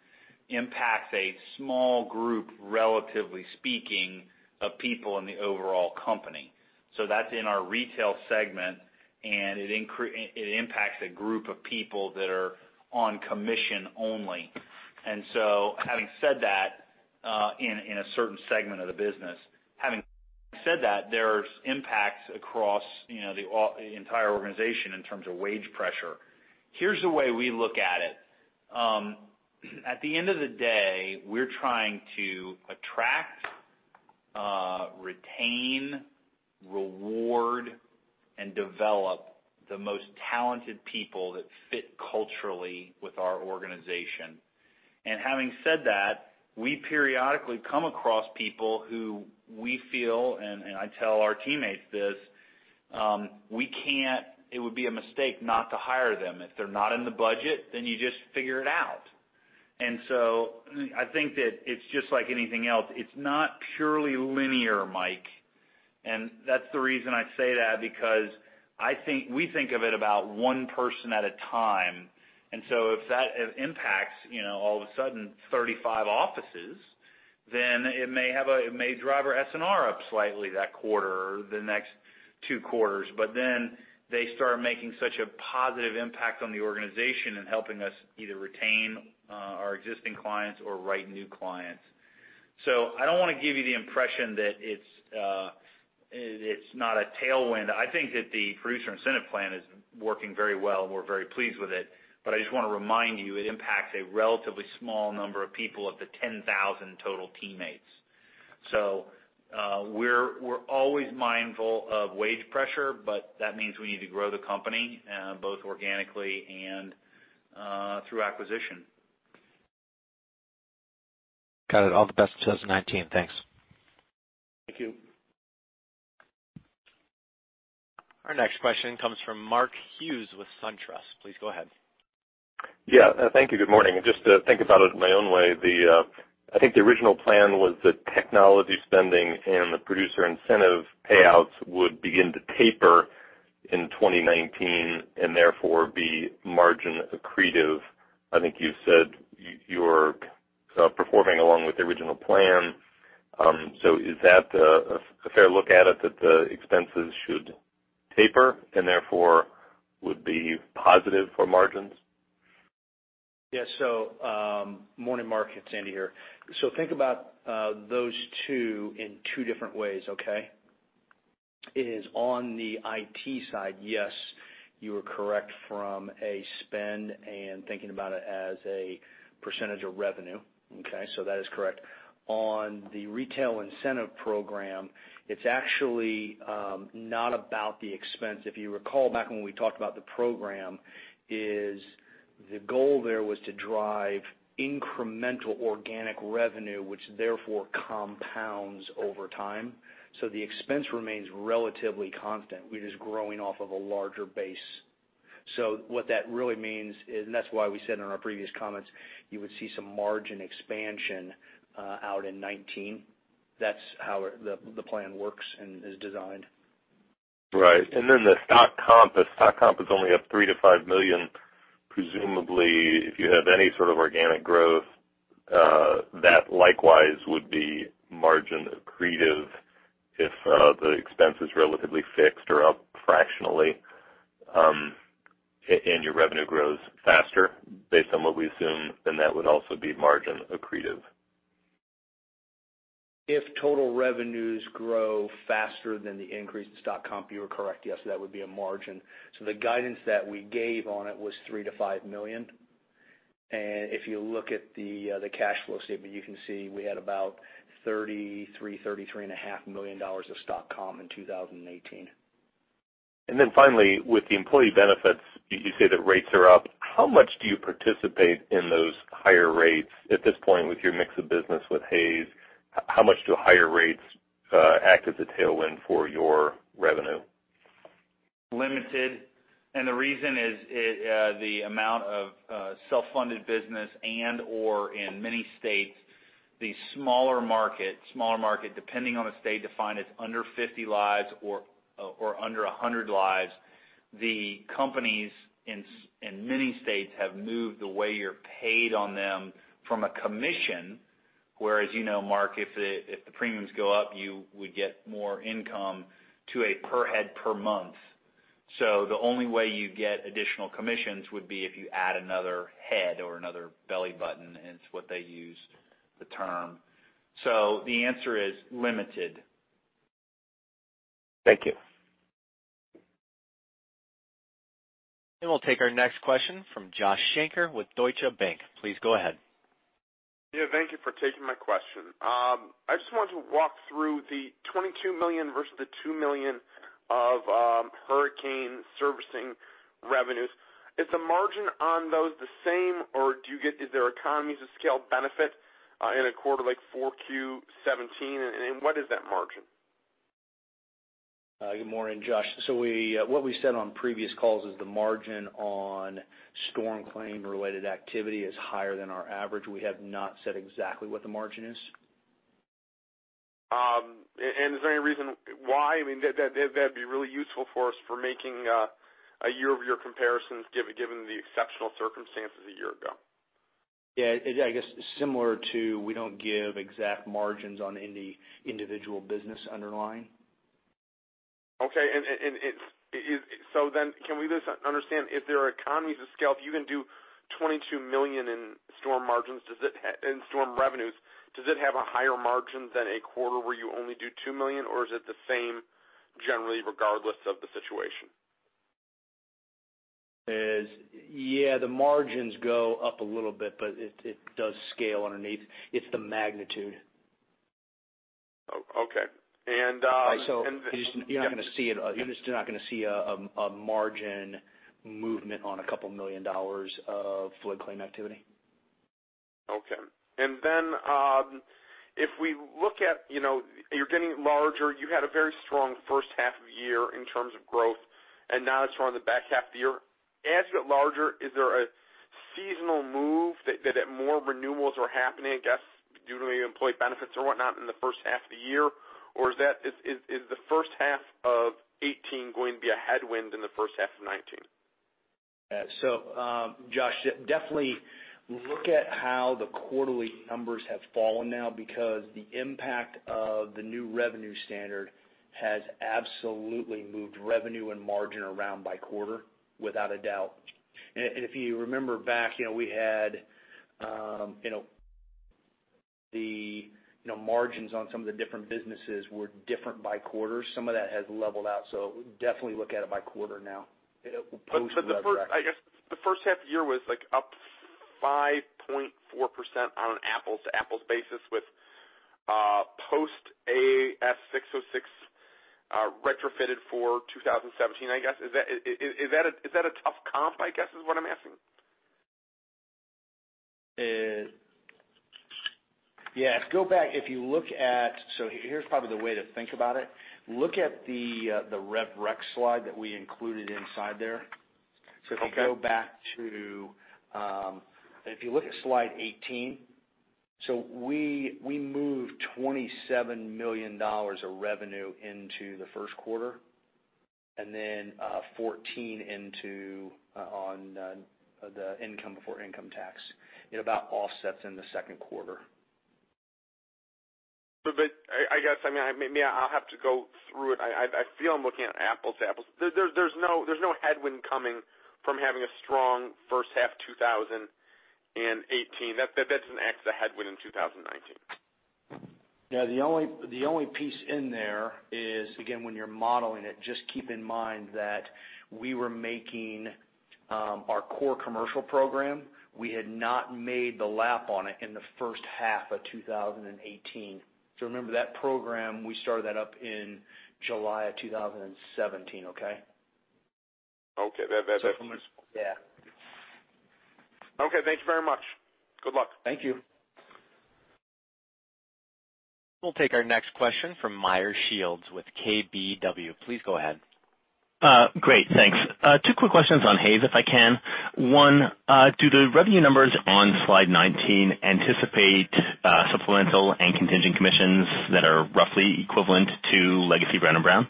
impacts a small group, relatively speaking, of people in the overall company. That's in our retail segment, it impacts a group of people that are on commission only. Having said that, in a certain segment of the business, having said that, there's impacts across the entire organization in terms of wage pressure. Here's the way we look at it. At the end of the day, we're trying to attract, retain, reward, and develop the most talented people that fit culturally with our organization. Having said that, we periodically come across people who we feel, and I tell our teammates this, it would be a mistake not to hire them. If they're not in the budget, you just figure it out. I think that it's just like anything else. It's not purely linear, Mike, that's the reason I say that, because we think of it about one person at a time. If that impacts, all of a sudden, 35 offices, then it may drive our S&R up slightly that quarter or the next two quarters. They start making such a positive impact on the organization in helping us either retain our existing clients or write new clients. I don't want to give you the impression that it's not a tailwind. I think that the producer incentive plan is working very well, and we're very pleased with it. I just want to remind you, it impacts a relatively small number of people of the 10,000 total teammates. We're always mindful of wage pressure, but that means we need to grow the company, both organically and through acquisition. Got it. All the best in 2019. Thanks. Thank you. Our next question comes from Mark Hughes with SunTrust. Please go ahead. Thank you. Good morning. Just to think about it my own way, I think the original plan was that technology spending and the producer incentive payouts would begin to taper in 2019, and therefore be margin accretive. I think you said you're performing along with the original plan. Is that a fair look at it, that the expenses should taper and therefore would be positive for margins? Yes. Morning, Mark, it's Andy here. Think about those two in two different ways. It is on the IT side, yes, you are correct from a spend and thinking about it as a percentage of revenue. That is correct. On the retail incentive program, it's actually not about the expense. If you recall back when we talked about the program, the goal there was to drive incremental organic revenue, which therefore compounds over time. The expense remains relatively constant. We're just growing off of a larger base. What that really means, and that's why we said in our previous comments, you would see some margin expansion out in 2019. That's how the plan works and is designed. Right. The stock comp is only up $3 million to $5 million. Presumably, if you have any sort of organic growth, that likewise would be margin accretive if the expense is relatively fixed or up fractionally, and your revenue grows faster based on what we assume, then that would also be margin accretive. If total revenues grow faster than the increase in stock comp, you are correct. Yes, that would be a margin. The guidance that we gave on it was $3 million to $5 million. If you look at the cash flow statement, you can see we had about $33 million, $33.5 million of stock comp in 2018. Finally, with the employee benefits, you say that rates are up. How much do you participate in those higher rates at this point with your mix of business with Hays? How much do higher rates act as a tailwind for your revenue? The reason is the amount of self-funded business and/or in many states, the smaller market, depending on the state, defined as under 50 lives or under 100 lives. The companies in many states have moved the way you're paid on them from a commission, where, as you know, Mark, if the premiums go up, you would get more income to a per head per month. The only way you get additional commissions would be if you add another head or another belly button. It's what they use, the term. The answer is limited. Thank you. We'll take our next question from Joshua Shanker with Deutsche Bank. Please go ahead. Yeah. Thank you for taking my question. I just wanted to walk through the $22 million versus the $2 million of hurricane servicing revenues. Is the margin on those the same, or is there economies of scale benefit in a quarter like 4Q 2017? What is that margin? Good morning, Josh. What we said on previous calls is the margin on storm claim-related activity is higher than our average. We have not said exactly what the margin is. Is there any reason why? That'd be really useful for us for making a year-over-year comparisons given the exceptional circumstances a year ago. Yeah. I guess similar to, we don't give exact margins on any individual business underlying. Okay. Can we just understand if there are economies of scale, if you can do $22 million in storm revenues, does it have a higher margin than a quarter where you only do $2 million, or is it the same generally, regardless of the situation? Yeah, the margins go up a little bit. It does scale underneath. It's the magnitude. Okay. You're just not going to see a margin movement on a couple million dollars of flood claim activity. Okay. If we look at you're getting larger, you had a very strong first half of the year in terms of growth, and now it's more on the back half of the year. As you get larger, is there a seasonal move that more renewals are happening, I guess, due to the employee benefits or whatnot in the first half of the year? Is the first half of 2018 going to be a headwind in the first half of 2019? Josh, definitely look at how the quarterly numbers have fallen now because the impact of the new revenue standard has absolutely moved revenue and margin around by quarter, without a doubt. If you remember back, the margins on some of the different businesses were different by quarter. Some of that has leveled out, definitely look at it by quarter now. The first half of the year was up 5.4% on an apples-to-apples basis with post ASC 606 retrofitted for 2017, I guess. Is that a tough comp, I guess, is what I'm asking? Yeah. Here's probably the way to think about it. Look at the Rev Rec slide that we included inside there. Okay. If you go back to slide 18. We moved $27 million of revenue into the first quarter, then $14 on the income before income tax. It about offsets in the second quarter. I guess, maybe I'll have to go through it. I feel I'm looking at apples to apples. There's no headwind coming from having a strong first half 2018. That's an extra headwind in 2019. The only piece in there is, again, when you're modeling it, just keep in mind that we were making our core commercial program. We had not made the lap on it in the first half of 2018. Remember that program, we started that up in July of 2017, okay? Okay. That makes sense. Yeah. Okay, thank you very much. Good luck. Thank you. We'll take our next question from Meyer Shields with KBW. Please go ahead. Great, thanks. Two quick questions on Hays, if I can. One, do the revenue numbers on slide 19 anticipate supplemental and contingent commissions that are roughly equivalent to legacy Brown & Brown?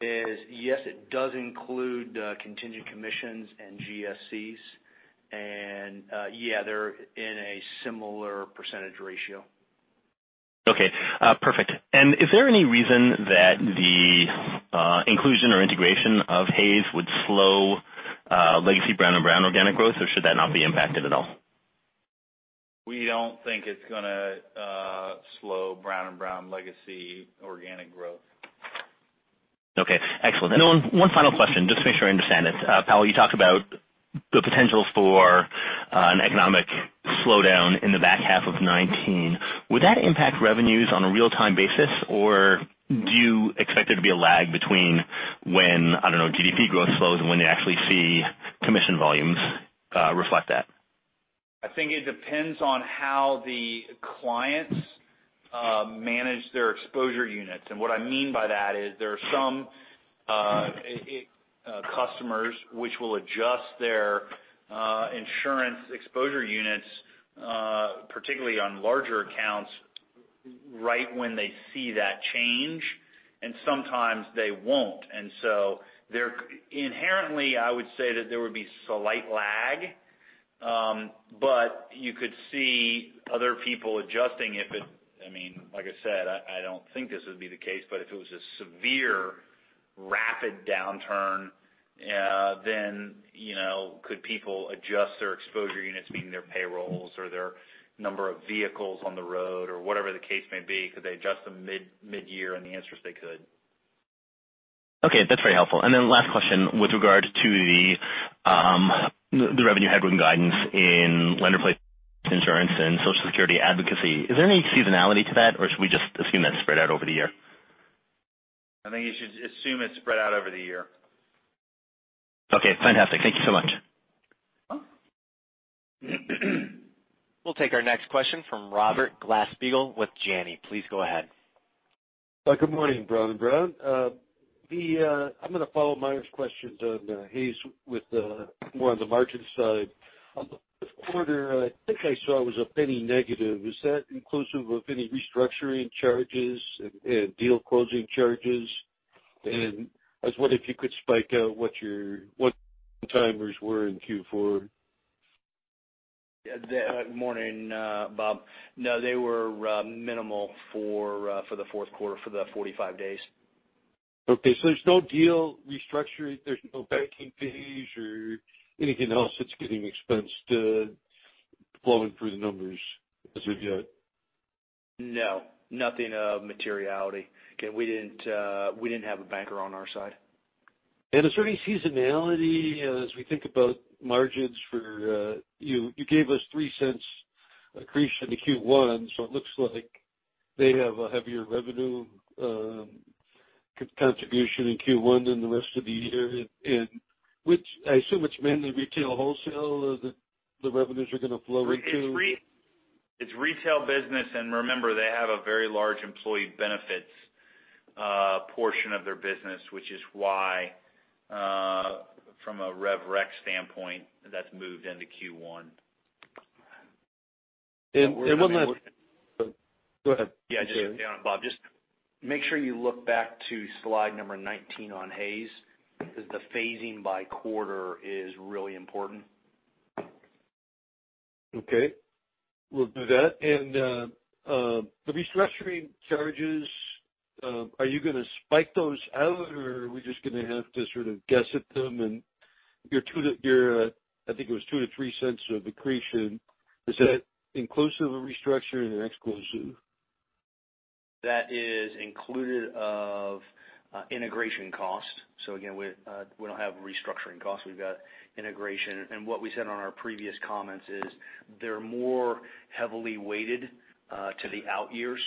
Yes, it does include contingent commissions and GSCs, and yeah, they're in a similar percentage ratio. Okay, perfect. Is there any reason that the inclusion or integration of Hays would slow legacy Brown & Brown organic growth, or should that not be impacted at all? We don't think it's going to slow Brown & Brown legacy organic growth. Okay. Excellent. One final question, just to make sure I understand this. Powell, you talked about the potential for an economic slowdown in the back half of 2019. Would that impact revenues on a real-time basis, or do you expect there to be a lag between when, I don't know, GDP growth slows and when you actually see commission volumes reflect that? I think it depends on how the clients manage their exposure units. What I mean by that is there are some customers which will adjust their insurance exposure units, particularly on larger accounts, right when they see that change, and sometimes they won't. Inherently, I would say that there would be slight lag, but you could see other people adjusting if, like I said, I don't think this would be the case, but if it was a severe rapid downturn, could people adjust their exposure units, meaning their payrolls or their number of vehicles on the road or whatever the case may be? Could they adjust them mid-year? The answer is they could. Okay. That's very helpful. Then last question with regard to the revenue headwind guidance in lender-placed insurance and Social Security advocacy. Is there any seasonality to that, or should we just assume that's spread out over the year? I think you should assume it's spread out over the year. Okay, fantastic. Thank you so much. Welcome. We'll take our next question from Robert Glasspiegel with Janney. Please go ahead. Good morning, Brown & Brown. I'm going to follow Meyer's questions on Hays with more on the margin side. On the quarter, I think I saw it was a $0.01 negative. Is that inclusive of any restructuring charges and deal closing charges? I was wonder if you could break out what your one-timers were in Q4. Morning, Bob. No, they were minimal for the fourth quarter for the 45 days. Okay, there's no deal restructuring, there's no banking fees or anything else that's getting expensed flowing through the numbers as of yet? No, nothing of materiality. We didn't have a banker on our side. Is there any seasonality as we think about margins? You gave us $0.03 accretion to Q1, it looks like they have a heavier revenue contribution in Q1 than the rest of the year. I assume it's mainly retail wholesale that the revenues are going to flow into. It's retail business, remember, they have a very large employee benefits portion of their business, which is why, from a Rev Rec standpoint, that's moved into Q1. One last Go ahead. Yeah, just count Bob. Just make sure you look back to slide number 19 on Hays, the phasing by quarter is really important. Okay. We'll do that. The restructuring charges, are you going to spike those out, or are we just going to have to sort of guess at them? Your, I think it was $0.02-$0.03 of accretion, is that inclusive of restructuring or exclusive? That is included of integration cost. Again, we don't have restructuring cost. We've got integration. What we said on our previous comments is they're more heavily weighted to the out years.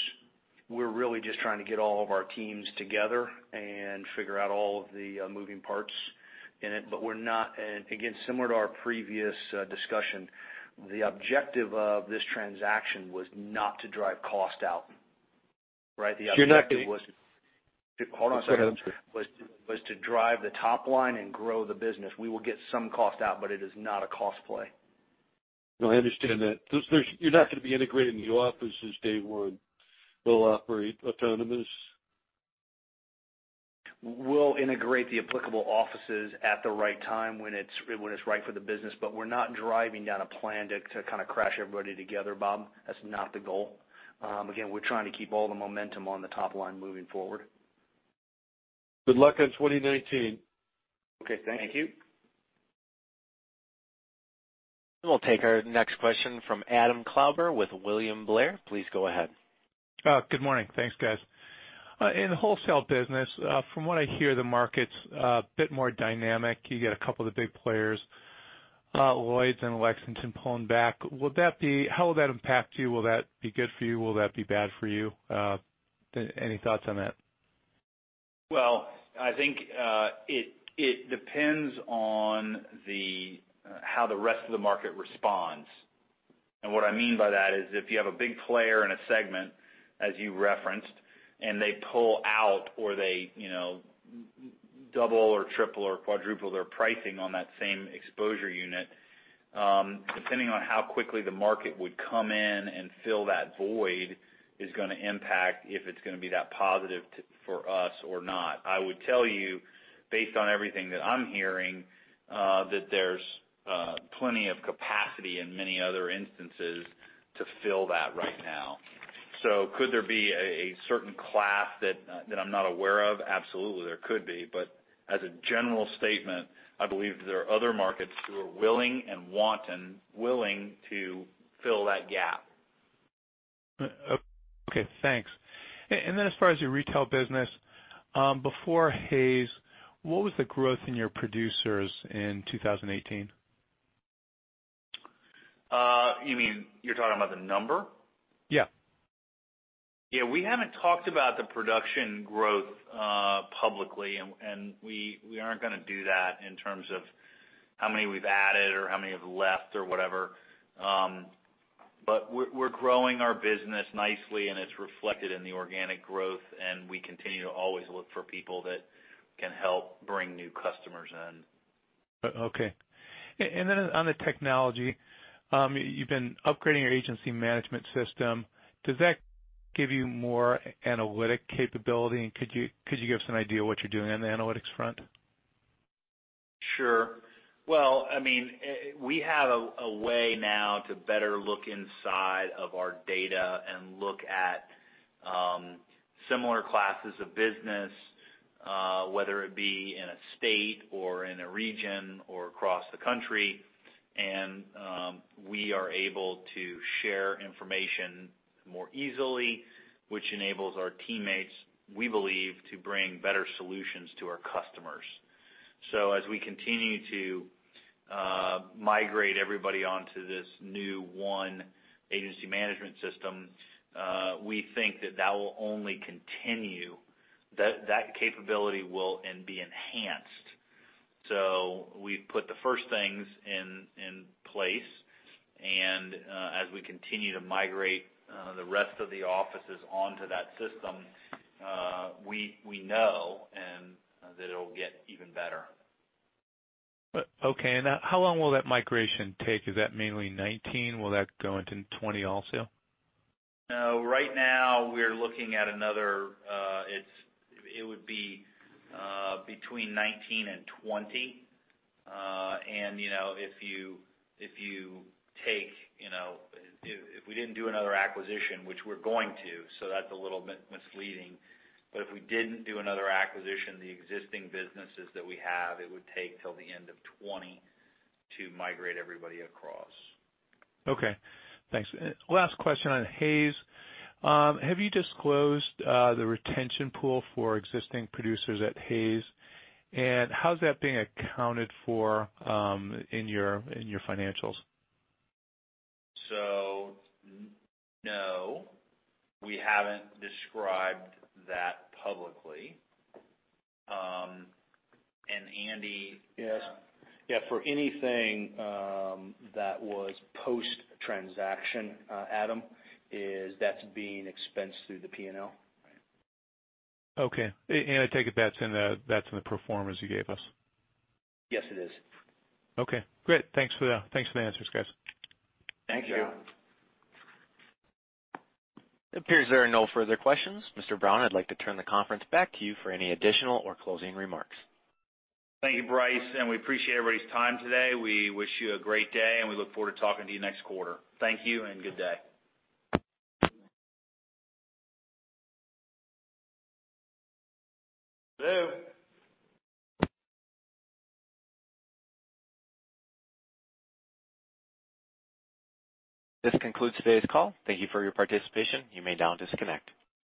We're really just trying to get all of our teams together and figure out all of the moving parts in it. We're not, and again, similar to our previous discussion, the objective of this transaction was not to drive cost out. Right? The objective was- You're not- Hold on a second. Go ahead, I'm sorry. Was to drive the top line and grow the business. We will get some cost out, but it is not a cost play. No, I understand that. You're not going to be integrating the offices day one. They'll operate autonomous. We'll integrate the applicable offices at the right time when it's right for the business. We're not driving down a plan to crash everybody together, Bob. Again, we're trying to keep all the momentum on the top line moving forward. Good luck on 2019. Okay. Thank you. We'll take our next question from Adam Klauber with William Blair. Please go ahead. Good morning. Thanks, guys. In the wholesale business, from what I hear, the market's a bit more dynamic. You get a couple of the big players, Lloyd's and Lexington pulling back. How will that impact you? Will that be good for you? Will that be bad for you? Any thoughts on that? Well, I think it depends on how the rest of the market responds. What I mean by that is if you have a big player in a segment, as you referenced, and they pull out or they double or triple or quadruple their pricing on that same exposure unit, depending on how quickly the market would come in and fill that void, is going to impact if it's going to be that positive for us or not. I would tell you, based on everything that I'm hearing, that there's plenty of capacity in many other instances to fill that right now. Could there be a certain class that I'm not aware of? Absolutely, there could be. As a general statement, I believe there are other markets who are willing and wanting, willing to fill that gap. Okay, thanks. As far as your retail business, before Hays, what was the growth in your producers in 2018? You mean, you're talking about the number? Yeah. Yeah, we haven't talked about the production growth publicly. We aren't going to do that in terms of how many we've added or how many have left or whatever. We're growing our business nicely. It's reflected in the organic growth. We continue to always look for people that can help bring new customers in. Okay. On the technology, you've been upgrading your agency management system. Does that give you more analytic capability, and could you give us an idea of what you're doing on the analytics front? Sure. Well, we have a way now to better look inside of our data and look at similar classes of business, whether it be in a state or in a region or across the country. We are able to share information more easily, which enables our teammates, we believe, to bring better solutions to our customers. As we continue to migrate everybody onto this new one agency management system, we think that that will only continue, that capability will be enhanced. We've put the first things in place, and as we continue to migrate the rest of the offices onto that system, we know that it'll get even better. Okay. How long will that migration take? Is that mainly 2019? Will that go into 2020 also? No. Right now, we're looking at another. It would be between 2019 and 2020. If we didn't do another acquisition, which we're going to, so that's a little misleading, but if we didn't do another acquisition, the existing businesses that we have, it would take till the end of 2020 to migrate everybody across. Thanks. Last question on Hays. Have you disclosed the retention pool for existing producers at Hays? How's that being accounted for in your financials? No. We haven't described that publicly. Andy. Yes. Yeah, for anything that was post-transaction, Adam, that's being expensed through the P&L. Okay. I take it that's in the pro formas you gave us. Yes, it is. Okay, great. Thanks for the answers, guys. Thank you. It appears there are no further questions. Mr. Brown, I'd like to turn the conference back to you for any additional or closing remarks. Thank you, Bryce. We appreciate everybody's time today. We wish you a great day. We look forward to talking to you next quarter. Thank you and good day. This concludes today's call. Thank you for your participation. You may now disconnect.